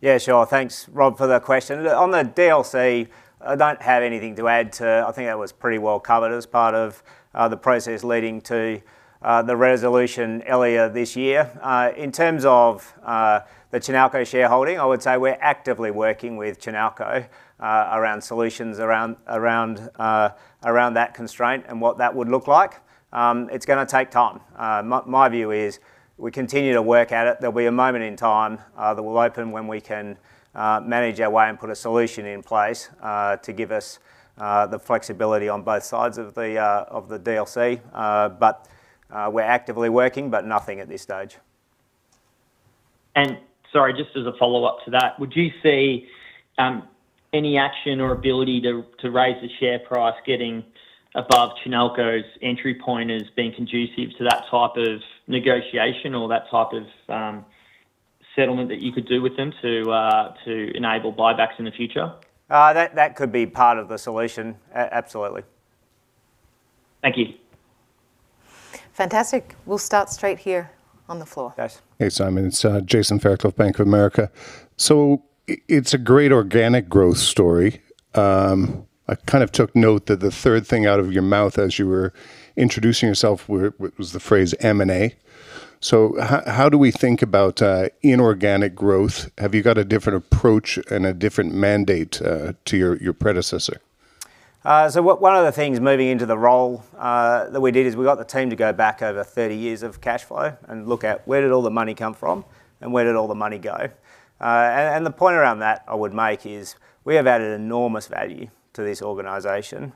S2: Yeah, sure. Thanks, Rob, for that question. On the DLC, I don't have anything to add to. I think that was pretty well covered as part of the process leading to the resolution earlier this year. In terms of the Chinalco shareholding, I would say we're actively working with Chinalco around solutions around that constraint and what that would look like. It's going to take time. My view is we continue to work at it. There'll be a moment in time that we'll open when we can manage our way and put a solution in place to give us the flexibility on both sides of the DLC. But we're actively working, but nothing at this stage.
S13: And sorry, just as a follow-up to that, would you see any action or ability to raise the share price getting above Codelco's entry points being conducive to that type of negotiation or that type of settlement that you could do with them to enable buybacks in the future?
S2: That could be part of the solution. Absolutely.
S13: Thank you.
S1: Fantastic. We'll start straight here on the floor. Thanks.
S14: Hey, Simon. It's Jason Fairclough, Bank of America. So it's a great organic growth story. I kind of took note that the third thing out of your mouth as you were introducing yourself was the phrase M&A. So how do we think about inorganic growth? Have you got a different approach and a different mandate to your predecessor?
S2: So one of the things moving into the role that we did is we got the team to go back over 30 years of cash flow and look at where did all the money come from and where did all the money go. And the point around that I would make is we have added enormous value to this organization.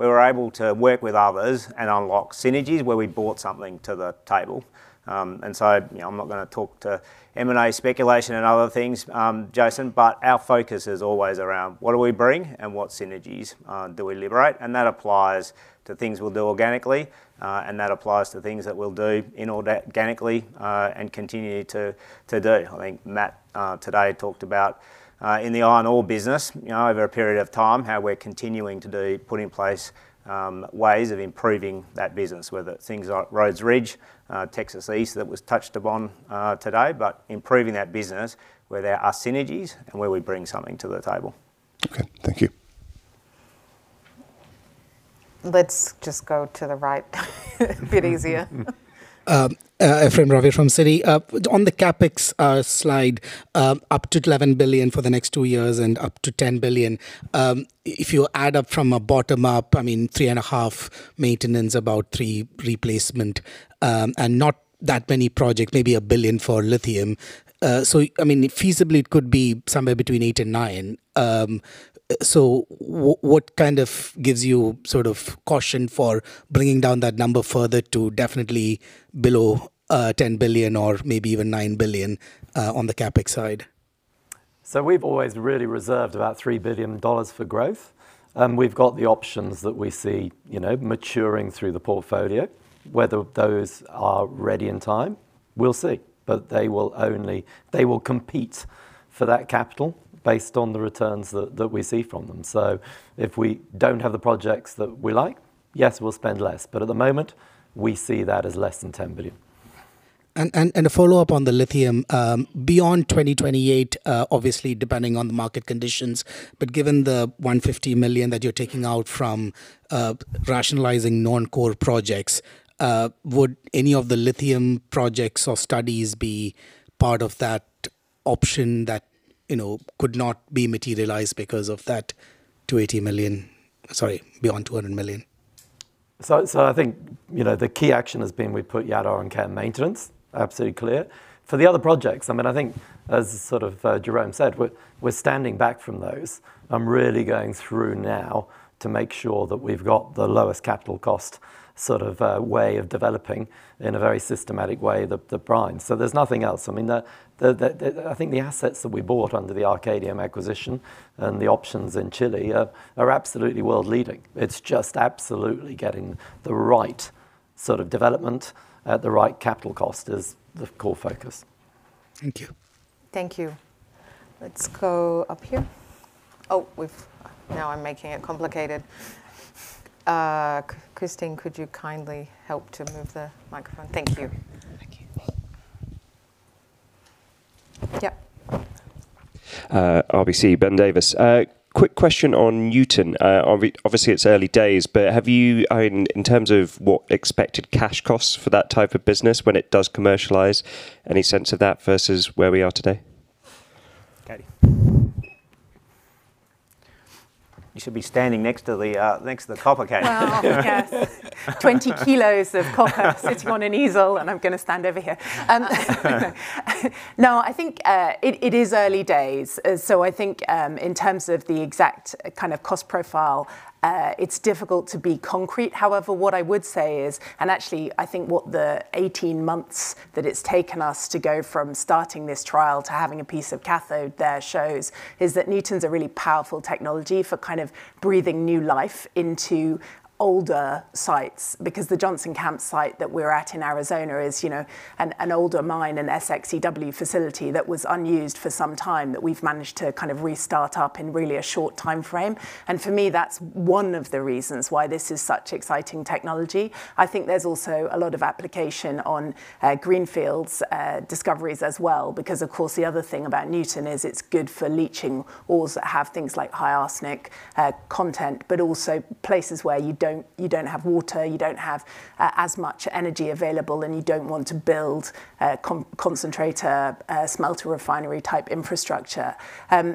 S2: We were able to work with others and unlock synergies where we brought something to the table. And so I'm not going to talk to M&A speculation and other things, Jason, but our focus is always around what do we bring and what synergies do we liberate. And that applies to things we'll do organically, and that applies to things that we'll do inorganically and continue to do. I think Matt today talked about in the iron ore business over a period of time how we're continuing to put in place ways of improving that business, whether it's things like Rhodes Ridge, Texas East that was touched upon today, but improving that business where there are synergies and where we bring something to the table.
S14: Okay. Thank you.
S1: Let's just go to the right. A bit easier.
S15: Ephrem Ravi from Citi. On the CapEx slide, up to $11 billion for the next two years and up to $10 billion. If you add up from a bottom-up, I mean, three and a half maintenance, about three replacement, and not that many projects, maybe a billion for lithium. So I mean, feasibly, it could be somewhere between eight and nine. What kind of gives you sort of caution for bringing down that number further to definitely below $10 billion or maybe even $9 billion on the CapEx side?
S3: We've always really reserved about $3 billion for growth. We've got the options that we see maturing through the portfolio. Whether those are ready in time, we'll see. But they will only compete for that capital based on the returns that we see from them. If we don't have the projects that we like, yes, we'll spend less. But at the moment, we see that as less than $10 billion.
S15: And a follow-up on the lithium. Beyond 2028, obviously, depending on the market conditions, but given the 150 million that you're taking out from rationalizing non-core projects, would any of the lithium projects or studies be part of that option that could not be materialized because of that 280 million, sorry, beyond 200 million?
S3: So I think the key action has been we put Jadar and care and maintenance. Absolutely clear. For the other projects, I mean, I think, as sort of Jérôme said, we're standing back from those. I'm really going through now to make sure that we've got the lowest capital cost sort of way of developing in a very systematic way the brine. So there's nothing else. I mean, I think the assets that we bought under the Arcadium acquisition and the options in Chile are absolutely world-leading. It's just absolutely getting the right sort of development at the right capital cost is the core focus.
S15: Thank you.
S1: Thank you. Let's go up here. Oh, now I'm making it complicated. Christine, could you kindly help to move the microphone? Thank you. Thank you. Yep.
S16: RBC, Ben Davis. Quick question on Nuton. Obviously, it's early days, but have you, in terms of what expected cash costs for that type of business when it does commercialize, any sense of that versus where we are today? Okay.
S2: You should be standing next to the copper cathode.
S8: Well, yes. 20 kilos of copper sitting on an easel, and I'm going to stand over here. No, I think it is early days. So I think in terms of the exact kind of cost profile, it's difficult to be concrete. However, what I would say is, and actually, I think what the 18 months that it's taken us to go from starting this trial to having a piece of cathode there shows is that Nuton's a really powerful technology for kind of breathing new life into older sites. Because the Johnson Camp site that we're at in Arizona is an older mine, an SX-EW facility that was unused for some time that we've managed to kind of restart up in really a short time frame. And for me, that's one of the reasons why this is such exciting technology. I think there's also a lot of application on greenfields discoveries as well. Because, of course, the other thing about Nuton is it's good for leaching ores that have things like high arsenic content, but also places where you don't have water, you don't have as much energy available, and you don't want to build concentrator smelter refinery type infrastructure.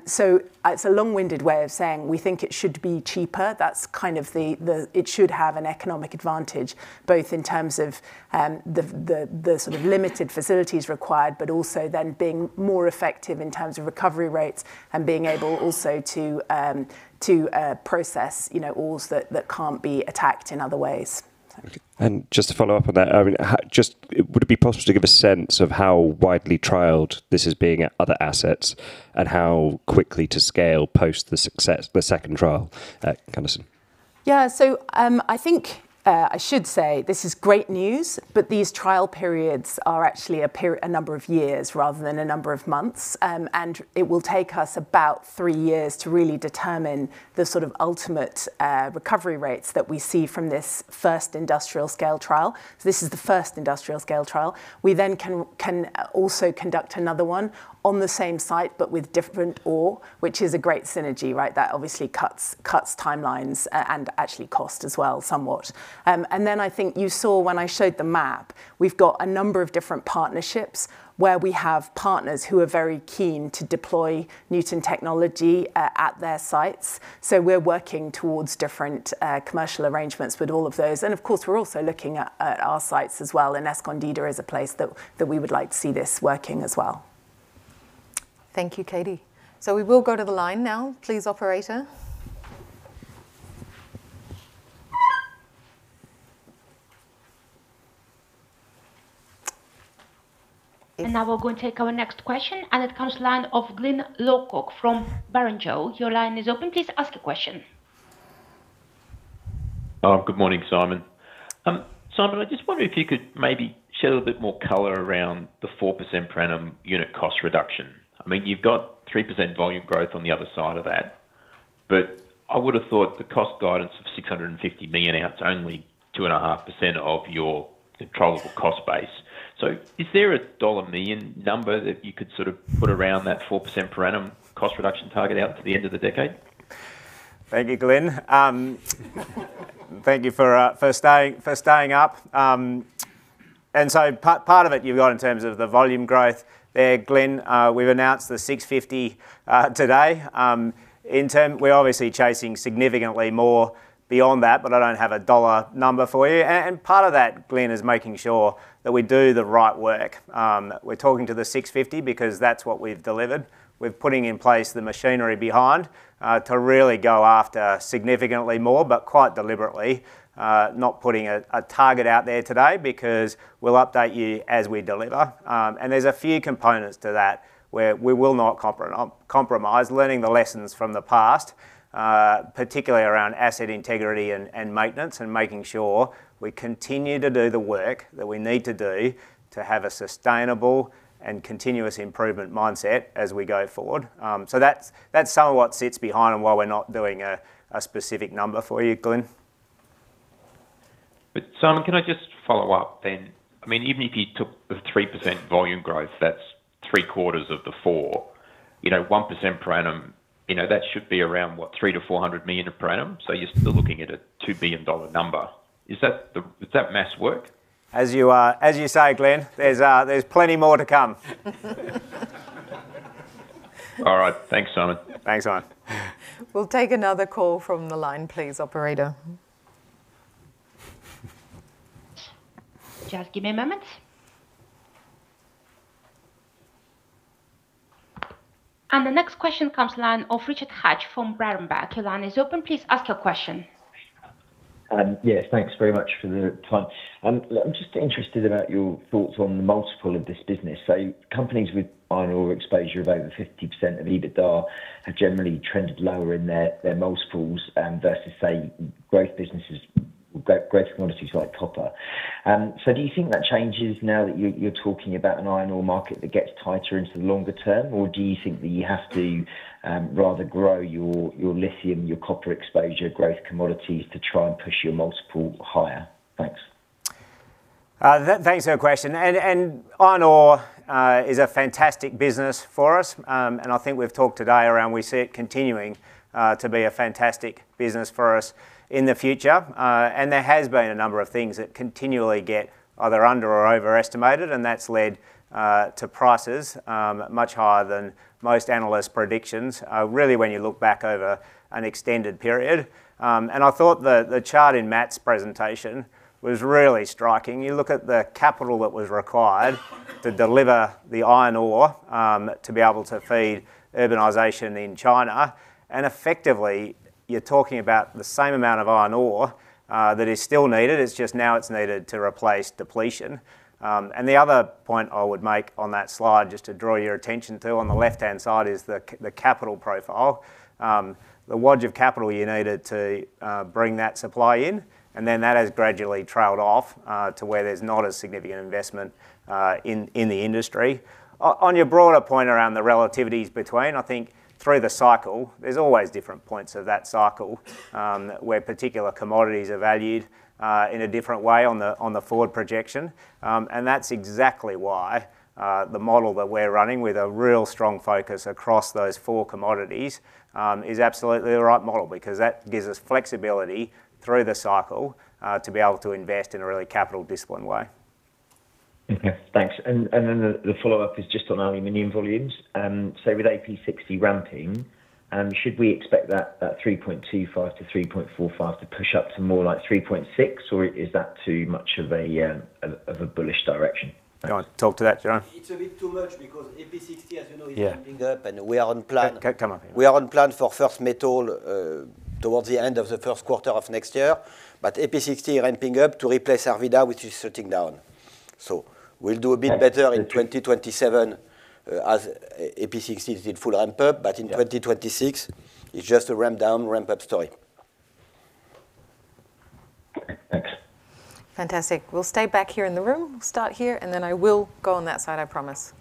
S8: So it's a long-winded way of saying we think it should be cheaper. That's kind of the it should have an economic advantage both in terms of the sort of limited facilities required, but also then being more effective in terms of recovery rates and being able also to process ores that can't be attacked in other ways.
S16: And just to follow up on that, I mean, just would it be possible to give a sense of how widely trialed this is being at other assets and how quickly to scale post the second trial, Katie?
S8: Yeah. So I think I should say this is great news, but these trial periods are actually a number of years rather than a number of months. And it will take us about three years to really determine the sort of ultimate recovery rates that we see from this first industrial scale trial. So this is the first industrial scale trial. We then can also conduct another one on the same site, but with different ore, which is a great synergy, right? That obviously cuts timelines and actually cost as well somewhat. And then I think you saw when I showed the map, we've got a number of different partnerships where we have partners who are very keen to deploy Nuton technology at their sites. So we're working towards different commercial arrangements with all of those. And of course, we're also looking at our sites as well. Escondida is a place that we would like to see this working as well.
S1: Thank you, Katie. So we will go to the line now. Please, operator.
S9: And now we're going to take our next question. And it comes from the line of Glyn Lawcock from Barrenjoey. Your line is open. Please ask a question.
S17: Good morning, Simon. Simon, I just wonder if you could maybe shed a little bit more color around the 4% per annum unit cost reduction. I mean, you've got 3% volume growth on the other side of that. But I would have thought the cost guidance of $650 million out to only 2.5% of your controllable cost base. So is there a dollar million number that you could sort of put around that 4% per annum cost reduction target out to the end of the decade?
S2: Thank you, Glyn. Thank you for staying up. And so part of it you've got in terms of the volume growth there, Glyn. We've announced the 650 today. We're obviously chasing significantly more beyond that, but I don't have a dollar number for you. And part of that, Glyn, is making sure that we do the right work. We're talking to the 650 because that's what we've delivered. We're putting in place the machinery behind to really go after significantly more, but quite deliberately. Not putting a target out there today because we'll update you as we deliver. And there's a few components to that where we will not compromise, learning the lessons from the past, particularly around asset integrity and maintenance and making sure we continue to do the work that we need to do to have a sustainable and continuous improvement mindset as we go forward. So that's some of what sits behind and why we're not doing a specific number for you, Glyn.
S17: Simon, can I just follow up then? I mean, even if you took the 3% volume growth, that's three quarters of the four. 1% per annum, that should be around, what, 300-400 million per annum? So you're still looking at a $2 billion number. Does that math work?
S2: As you say, Glyn, there's plenty more to come.
S17: All right. Thanks, Simon.
S2: Thanks, Simon.
S1: We'll take another call from the line, please, operator.
S9: Just give me a moment. And the next question comes from the line of Richard Hatch from Berenberg. Your line is open. Please ask your question.
S18: Yes, thanks very much for the time. I'm just interested about your thoughts on the multiple of this business. So companies with iron ore exposure of over 50% of EBITDA have generally trended lower in their multiples versus, say, growth businesses, growth commodities like copper. So do you think that changes now that you're talking about an iron ore market that gets tighter into the longer term, or do you think that you have to rather grow your lithium, your copper exposure, growth commodities to try and push your multiple higher? Thanks.
S2: Thanks for your question. And iron ore is a fantastic business for us. And I think we've talked today around we see it continuing to be a fantastic business for us in the future. And there has been a number of things that continually get either underestimated or overestimated, and that's led to prices much higher than most analysts' predictions, really, when you look back over an extended period. I thought the chart in Matt's presentation was really striking. You look at the capital that was required to deliver the iron ore to be able to feed urbanization in China. Effectively, you're talking about the same amount of iron ore that is still needed. It's just now it's needed to replace depletion. The other point I would make on that slide, just to draw your attention to, on the left-hand side is the capital profile. The wedge of capital you needed to bring that supply in, and then that has gradually trailed off to where there's not a significant investment in the industry. On your broader point around the relativities between, I think through the cycle, there's always different points of that cycle where particular commodities are valued in a different way on the forward projection. And that's exactly why the model that we're running with a real strong focus across those four commodities is absolutely the right model because that gives us flexibility through the cycle to be able to invest in a really capital-disciplined way.
S18: Okay. Thanks. And then the follow-up is just on aluminum volumes. So with AP60 ramping, should we expect that 3.25 to 3.45 to push up to more like 3.6, or is that too much of a bullish direction? Go on. Talk to that, Jérôme.
S6: It's a bit too much because AP60, as you know, is ramping up, and we are on plan. Come on. We are on plan for first metal towards the end of the first quarter of next year. But AP60 is ramping up to replace Arvida, which is shutting down. So we'll do a bit better in 2027 as AP60 is in full ramp-up, but in 2026, it's just a ramp-down, ramp-up story.
S18: Thanks.
S1: Fantastic. We'll stay back here in the room. We'll start here, and then I will go on that side, I promise.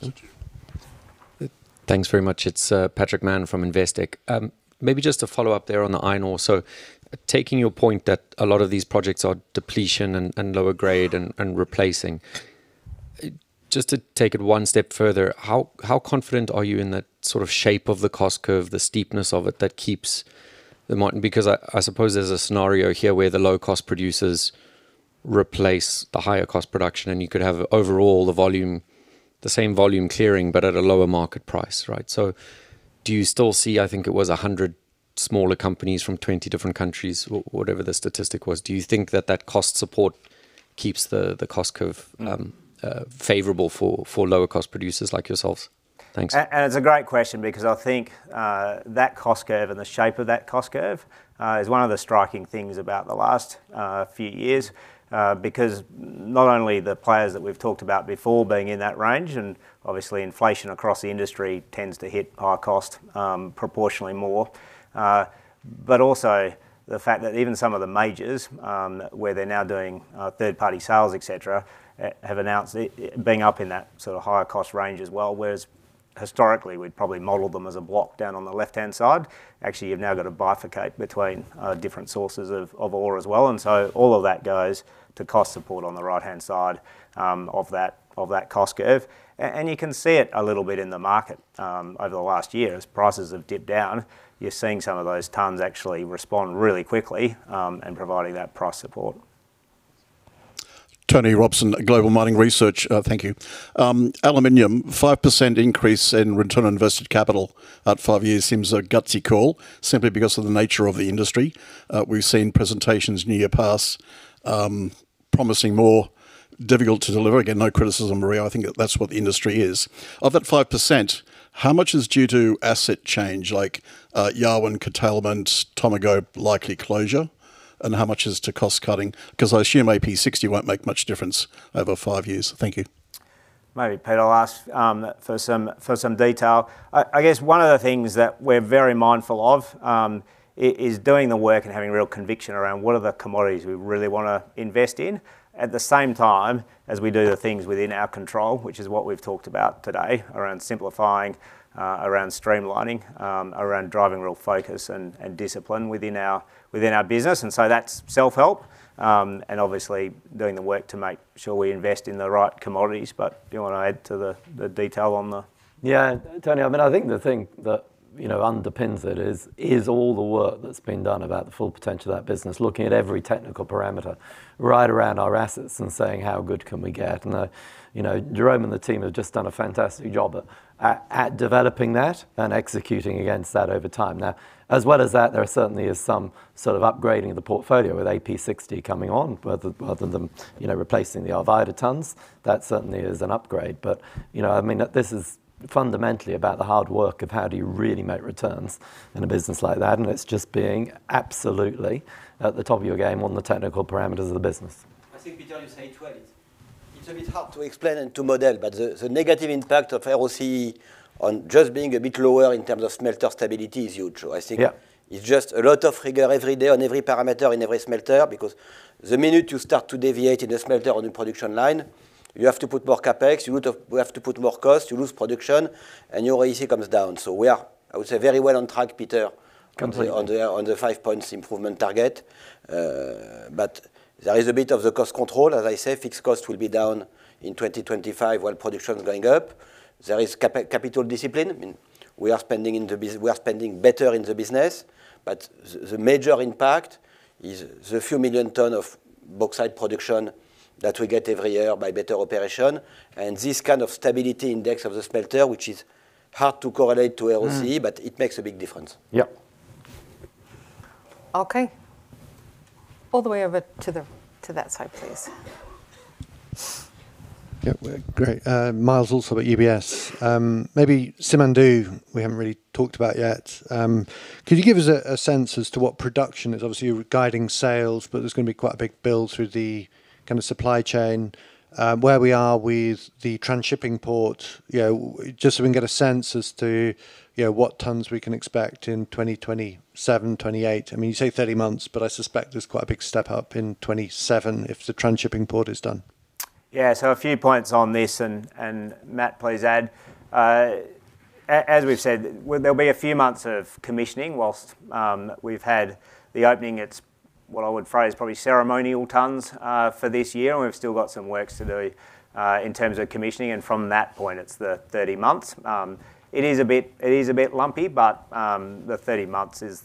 S1: Thank you.
S19: Thanks very much. It's Patrick Mann from Investec. Maybe just a follow-up there on the iron ore. So taking your point that a lot of these projects are depletion and lower grade and replacing, just to take it one step further, how confident are you in that sort of shape of the cost curve, the steepness of it that keeps the market? Because I suppose there's a scenario here where the low-cost producers replace the higher-cost production, and you could have overall the same volume clearing, but at a lower market price, right? So do you still see, I think it was 100 smaller companies from 20 different countries, whatever the statistic was, do you think that that cost support keeps the cost curve favorable for lower-cost producers like yourselves? Thanks.
S2: And it's a great question because I think that cost curve and the shape of that cost curve is one of the striking things about the last few years because not only the players that we've talked about before being in that range, and obviously inflation across the industry tends to hit high cost proportionally more, but also the fact that even some of the majors where they're now doing third-party sales, etc., have announced being up in that sort of higher cost range as well. Whereas historically, we'd probably model them as a block down on the left-hand side. Actually, you've now got to bifurcate between different sources of ore as well. And so all of that goes to cost support on the right-hand side of that cost curve. And you can see it a little bit in the market over the last year. As prices have dipped down, you're seeing some of those tons actually respond really quickly and providing that price support.
S20: Tony Robson, Global Mining Research. Thank you. Aluminum, 5% increase in return on invested capital at five years seems a gutsy call simply because of the nature of the industry. We've seen presentations in years past promising more, difficult to deliver. Again, no criticism, really. I think that's what the industry is. Of that 5%, how much is due to asset change, like Yarwun curtailment, Tomago likely closure, and how much is to cost cutting? Because I assume AP60 won't make much difference over five years. Thank you.
S2: Maybe Peter, I'll ask for some detail. I guess one of the things that we're very mindful of is doing the work and having real conviction around what are the commodities we really want to invest in at the same time as we do the things within our control, which is what we've talked about today around simplifying, around streamlining, around driving real focus and discipline within our business. And so that's self-help and obviously doing the work to make sure we invest in the right commodities. But do you want to add to the detail on the?
S3: Yeah. Tony, I mean, I think the thing that underpins it is all the work that's been done about the full potential of that business, looking at every technical parameter right around our assets and saying, "How good can we get?", and Jérôme and the team have just done a fantastic job at developing that and executing against that over time. Now, as well as that, there certainly is some sort of upgrading of the portfolio with AP60 coming on rather than replacing the Arvida tons. That certainly is an upgrade, but I mean, this is fundamentally about the hard work of how do you really make returns in a business like that, and it's just being absolutely at the top of your game on the technical parameters of the business.
S6: I think we've done this A20. It's a bit hard to explain and to model, but the negative impact of ROCE on just being a bit lower in terms of smelter stability is huge. I think it's just a lot of rigor every day on every parameter in every smelter because the minute you start to deviate in the smelter on the production line, you have to put more CapEx, you have to put more cost, you lose production, and your AC comes down. So we are, I would say, very well on track, Peter, on the five points improvement target. But there is a bit of the cost control. As I say, fixed cost will be down in 2025 while production is going up. There is capital discipline. We are spending better in the business, but the major impact is the few million tons of bauxite production that we get every year by better operation. This kind of stability index of the smelter, which is hard to correlate to ROCE, but it makes a big difference.
S20: Yeah.
S1: Okay. All the way over to that side, please.
S21: Yeah. Great. Myles Allsop at UBS. Maybe Simandou, we haven't really talked about yet. Could you give us a sense as to what production is? Obviously, you're guiding sales, but there's going to be quite a big build through the kind of supply chain. Where we are with the transshipping port, just so we can get a sense as to what tons we can expect in 2027, 2028. I mean, you say 30 months, but I suspect there's quite a big step up in 2027 if the transshipping port is done.
S2: Yeah. A few points on this, and Matt, please add. As we've said, there'll be a few months of commissioning while we've had the opening. It's what I would phrase, probably ceremonial tons for this year. And we've still got some works to do in terms of commissioning. And from that point, it's the 30 months. It is a bit lumpy, but the 30 months is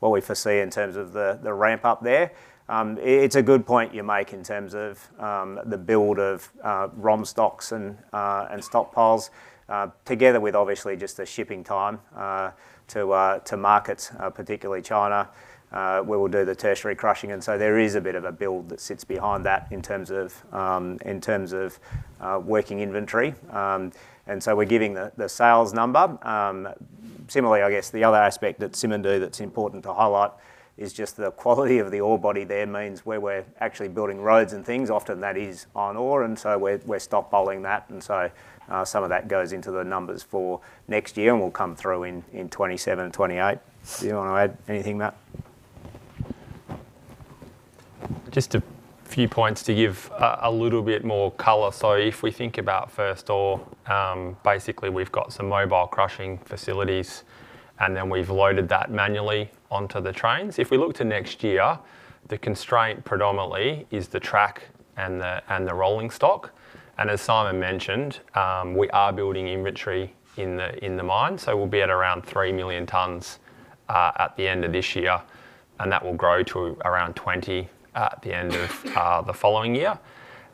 S2: what we foresee in terms of the ramp-up there. It's a good point you make in terms of the build of ROM stocks and stockpiles together with, obviously, just the shipping time to market, particularly China. We will do the tertiary crushing. And so there is a bit of a build that sits behind that in terms of working inventory. And so we're giving the sales number. Similarly, I guess the other aspect at Simandou that's important to highlight is just the quality of the ore body there means where we're actually building roads and things, often that is iron ore. And so we're stockpiling that. And so some of that goes into the numbers for next year and will come through in 2027 and 2028. Do you want to add anything, Matt?
S5: Just a few points to give a little bit more color. So if we think about first ore, basically we've got some mobile crushing facilities, and then we've loaded that manually onto the trains. If we look to next year, the constraint predominantly is the track and the rolling stock. And as Simon mentioned, we are building inventory in the mine. So we'll be at around three million tons at the end of this year, and that will grow to around 20 at the end of the following year.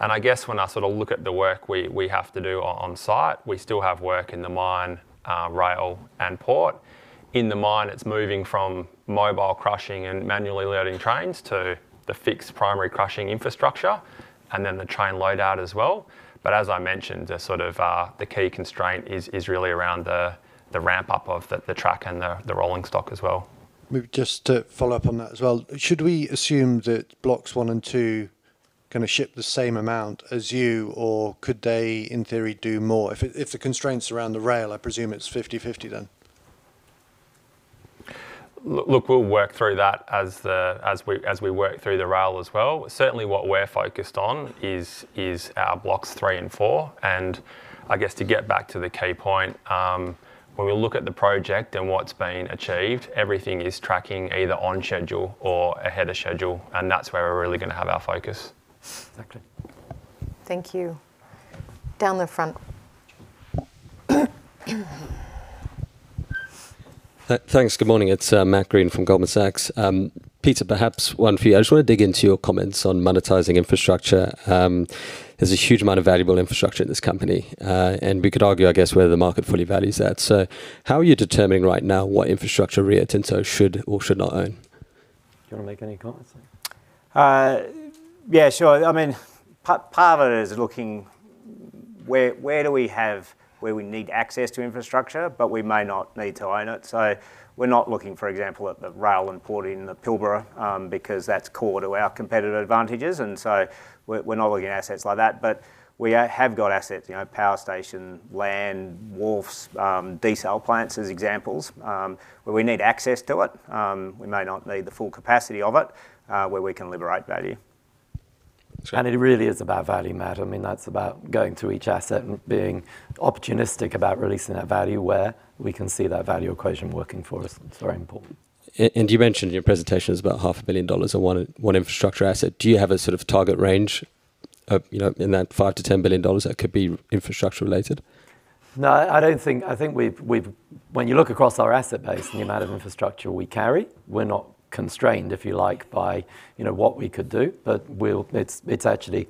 S5: And I guess when I sort of look at the work we have to do on site, we still have work in the mine, rail, and port. In the mine, it's moving from mobile crushing and manually loading trains to the fixed primary crushing infrastructure and then the train loadout as well. But as I mentioned, sort of the key constraint is really around the ramp-up of the track and the rolling stock as well.
S21: Just to follow up on that as well, should we assume that blocks one and two can ship the same amount as you, or could they, in theory, do more? If the constraints around the rail, I presume it's 50-50 then.
S5: Look, we'll work through that as we work through the rail as well. Certainly, what we're focused on is our blocks three and four. And I guess to get back to the key point, when we look at the project and what's been achieved, everything is tracking either on schedule or ahead of schedule. And that's where we're really going to have our focus.
S21: Exactly.
S1: Thank you. Down the front.
S22: Thanks. Good morning. It's Matt Greene from Goldman Sachs. Peter, perhaps one for you. I just want to dig into your comments on monetizing infrastructure. There's a huge amount of valuable infrastructure in this company. And we could argue, I guess, whether the market fully values that. So how are you determining right now what infrastructure Rio Tinto should or should not own?
S2: Do you want to make any comments there?
S5: Yeah, sure. I mean, part of it is looking where we need access to infrastructure, but we may not need to own it. So we're not looking, for example, at the rail and port in the Pilbara because that's core to our competitive advantages. And so we're not looking at assets like that. We have got assets, power station, land, wharves, desal plants as examples where we need access to it. We may not need the full capacity of it where we can liberate value.
S3: And it really is about value, Matt. I mean, that's about going through each asset and being opportunistic about releasing that value where we can see that value equation working for us. It's very important.
S22: And you mentioned in your presentation it's about $500,000 on one infrastructure asset. Do you have a sort of target range in that $5-$10 billion that could be infrastructure related?
S3: No, I think when you look across our asset base and the amount of infrastructure we carry, we're not constrained, if you like, by what we could do. But it's actually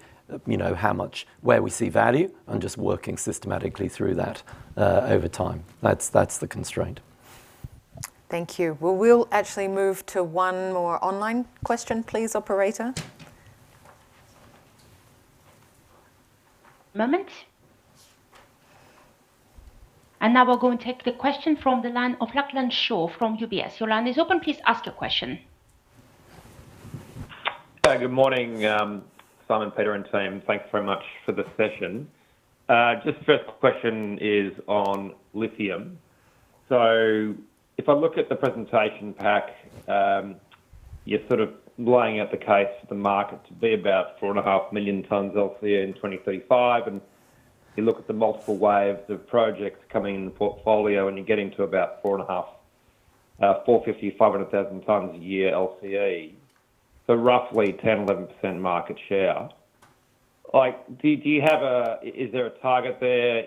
S3: how much where we see value and just working systematically through that over time. That's the constraint.
S1: Thank you. We'll actually move to one more online question, please, operator.
S9: And now we're going to take the question from the line of Lachlan Shaw from UBS. Your line is open. Please ask your question.
S23: Good morning, Simon, Peter, and team. Thanks very much for the session. Just the first question is on lithium. So if I look at the presentation pack, you're sort of laying out the case for the market to be about 4.5 million tons LCE in 2035. And you look at the multiple waves of projects coming in the portfolio, and you're getting to about 4.5, 450, 500,000 tons a year LCE, so roughly 10-11% market share. Is there a target there?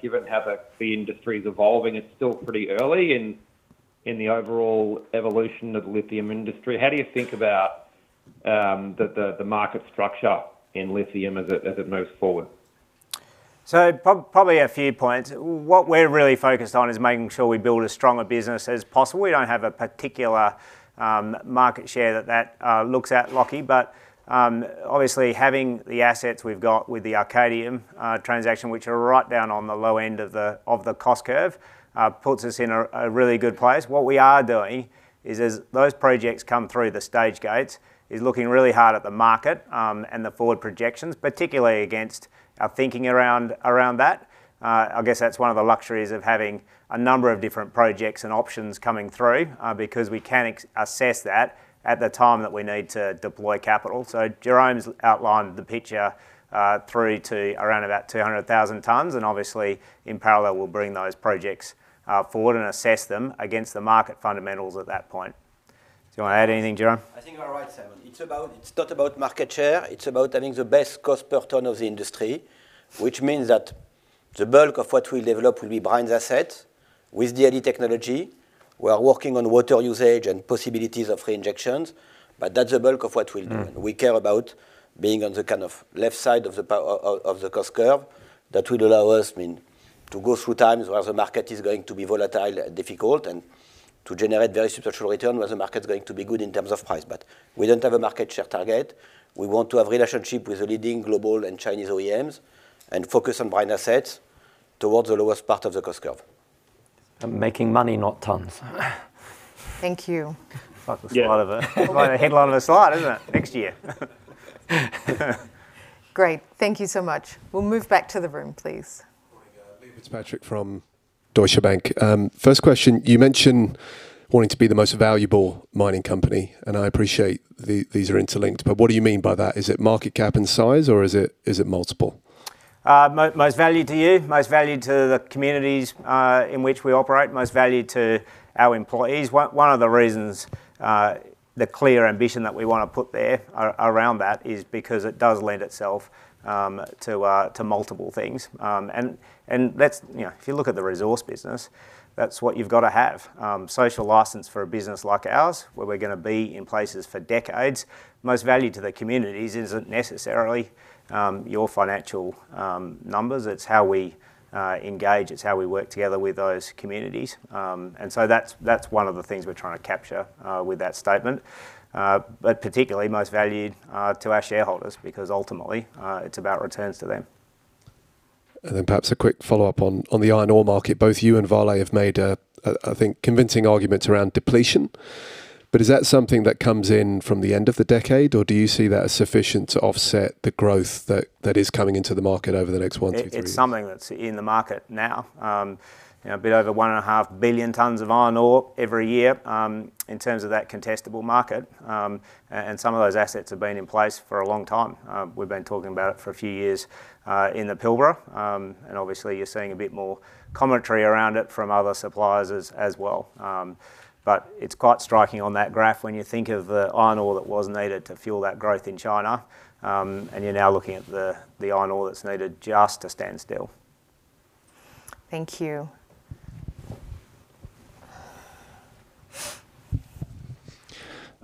S23: Given how the industry is evolving, it's still pretty early in the overall evolution of the lithium industry. How do you think about the market structure in lithium as it moves forward?
S2: So probably a few points. What we're really focused on is making sure we build as strong a business as possible. We don't have a particular market share target, but obviously having the assets we've got with the Arcadium transaction, which are right down on the low end of the cost curve, puts us in a really good place. What we are doing is, as those projects come through the stage gates, looking really hard at the market and the forward projections, particularly against our thinking around that. I guess that's one of the luxuries of having a number of different projects and options coming through because we can assess that at the time that we need to deploy capital. Jérôme's outlined the picture through to around about 200,000 tons. Obviously, in parallel, we'll bring those projects forward and assess them against the market fundamentals at that point. Do you want to add anything, Jérôme?
S6: I think you're right, Simon. It's not about market share. It's about having the best cost per tonne of the industry, which means that the bulk of what we'll develop will be Brian's assets with the LE technology. We're working on water usage and possibilities of reinjections, but that's the bulk of what we'll do. We care about being on the kind of left side of the cost curve that will allow us to go through times where the market is going to be volatile and difficult and to generate very substantial return where the market's going to be good in terms of price. We don't have a market share target. We want to have a relationship with the leading global and Chinese OEMs and focus on Brian's assets towards the lowest part of the cost curve.
S3: Making money, not tons.
S1: Thank you.
S2: That was quite a headline of a slide, isn't it? Next year.
S1: Great. Thank you so much. We'll move back to the room, please.
S24: It's Liam Fitzpatrick from Deutsche Bank. First question, you mentioned wanting to be the most valuable mining company, and I appreciate these are interlinked, but what do you mean by that? Is it market cap and size, or is it multiple?
S2: Most value to you, most value to the communities in which we operate, most value to our employees. One of the reasons, the clear ambition that we want to put there around that is because it does lend itself to multiple things. And if you look at the resource business, that's what you've got to have. Social license for a business like ours, where we're going to be in places for decades, most value to the communities isn't necessarily your financial numbers. It's how we engage. It's how we work together with those communities. And so that's one of the things we're trying to capture with that statement, but particularly most valued to our shareholders because ultimately it's about returns to them.
S24: And then perhaps a quick follow-up on the iron ore market. Both you and Vale have made, I think, convincing arguments around depletion. But is that something that comes in from the end of the decade, or do you see that as sufficient to offset the growth that is coming into the market over the next one to three years?
S2: It's something that's in the market now. A bit over 1.5 billion tons of iron ore every year in terms of that contestable market. Some of those assets have been in place for a long time. We've been talking about it for a few years in the Pilbara. Obviously, you're seeing a bit more commentary around it from other suppliers as well. But it's quite striking on that graph when you think of the iron ore that was needed to fuel that growth in China, and you're now looking at the iron ore that's needed just to stand still.
S1: Thank you.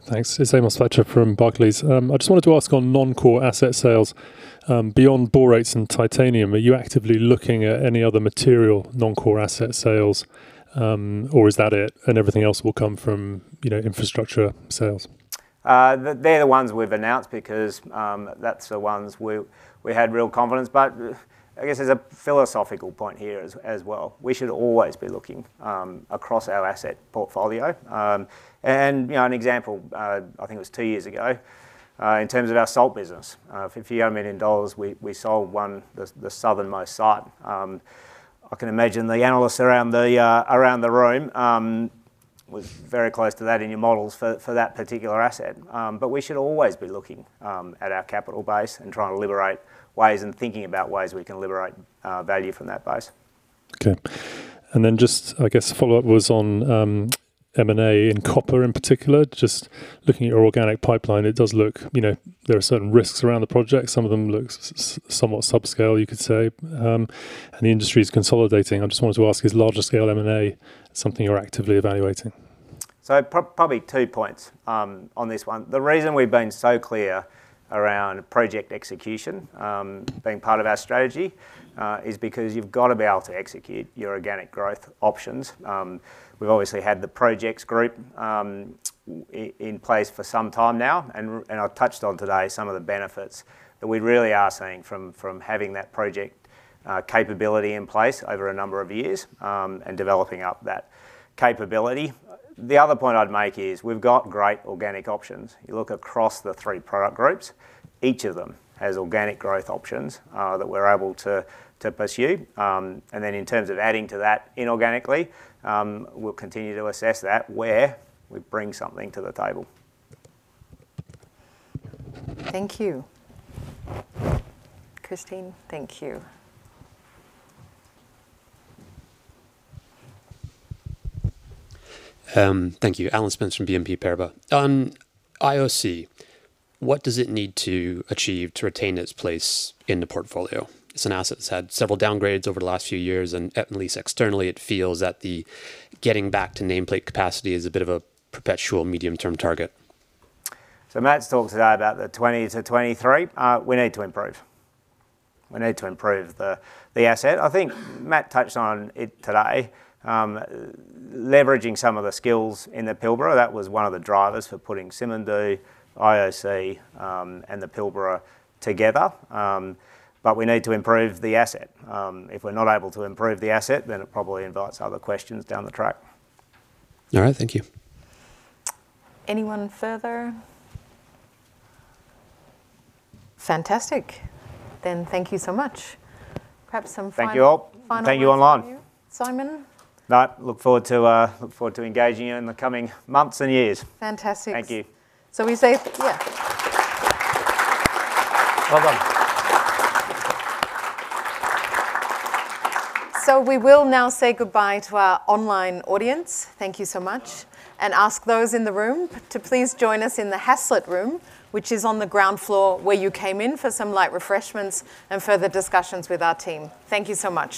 S25: Thanks. It's Michael Sacha from Barclays. I just wanted to ask on non-core asset sales. Beyond borates and titanium, are you actively looking at any other material non-core asset sales, or is that it? Everything else will come from infrastructure sales.
S2: They're the ones we've announced because that's the ones we had real confidence. But I guess there's a philosophical point here as well. We should always be looking across our asset portfolio. And an example, I think it was two years ago, in terms of our salt business, $50 million, we sold the southernmost site. I can imagine the analysts around the room was very close to that in your models for that particular asset. But we should always be looking at our capital base and trying to liberate ways and thinking about ways we can liberate value from that base.
S25: Okay. And then just, I guess, follow-up was on M&A in copper in particular. Just looking at your organic pipeline, it does look there are certain risks around the project. Some of them look somewhat subscale, you could say. And the industry is consolidating. I just wanted to ask, is larger scale M&A something you're actively evaluating?
S2: So probably two points on this one. The reason we've been so clear around project execution being part of our strategy is because you've got to be able to execute your organic growth options. We've obviously had the projects group in place for some time now. And I touched on today some of the benefits that we really are seeing from having that project capability in place over a number of years and developing up that capability. The other point I'd make is we've got great organic options. You look across the three product groups, each of them has organic growth options that we're able to pursue. And then in terms of adding to that inorganically, we'll continue to assess that where we bring something to the table.
S1: Thank you. Christine, thank you. Thank you.
S26: Alan Spence from BNP Paribas. IOC, what does it need to achieve to retain its place in the portfolio? It's an asset that's had several downgrades over the last few years, and at least externally, it feels that the getting back to nameplate capacity is a bit of a perpetual medium-term target.
S2: So Matt's talked today about the 20-23. We need to improve. We need to improve the asset. I think Matt touched on it today. Leveraging some of the skills in the Pilbara, that was one of the drivers for putting Simandou, IOC, and the Pilbara together. But we need to improve the asset. If we're not able to improve the asset, then it probably invites other questions down the track.
S26: All right. Thank you.
S1: Anyone further? Fantastic. Then thank you so much. Perhaps some final.
S2: Thank you all. Thank you online.
S18: Simon.
S2: Look forward to engaging you in the coming months and years.
S1: Fantastic.
S2: Thank you.
S1: So we say, yeah.
S2: Well done. So we will now say goodbye to our online audience. Thank you so much. And ask those in the room to please join us in the Hasslett Room, which is on the ground floor where you came in, for some light refreshments and further discussions with our team. Thank you so much.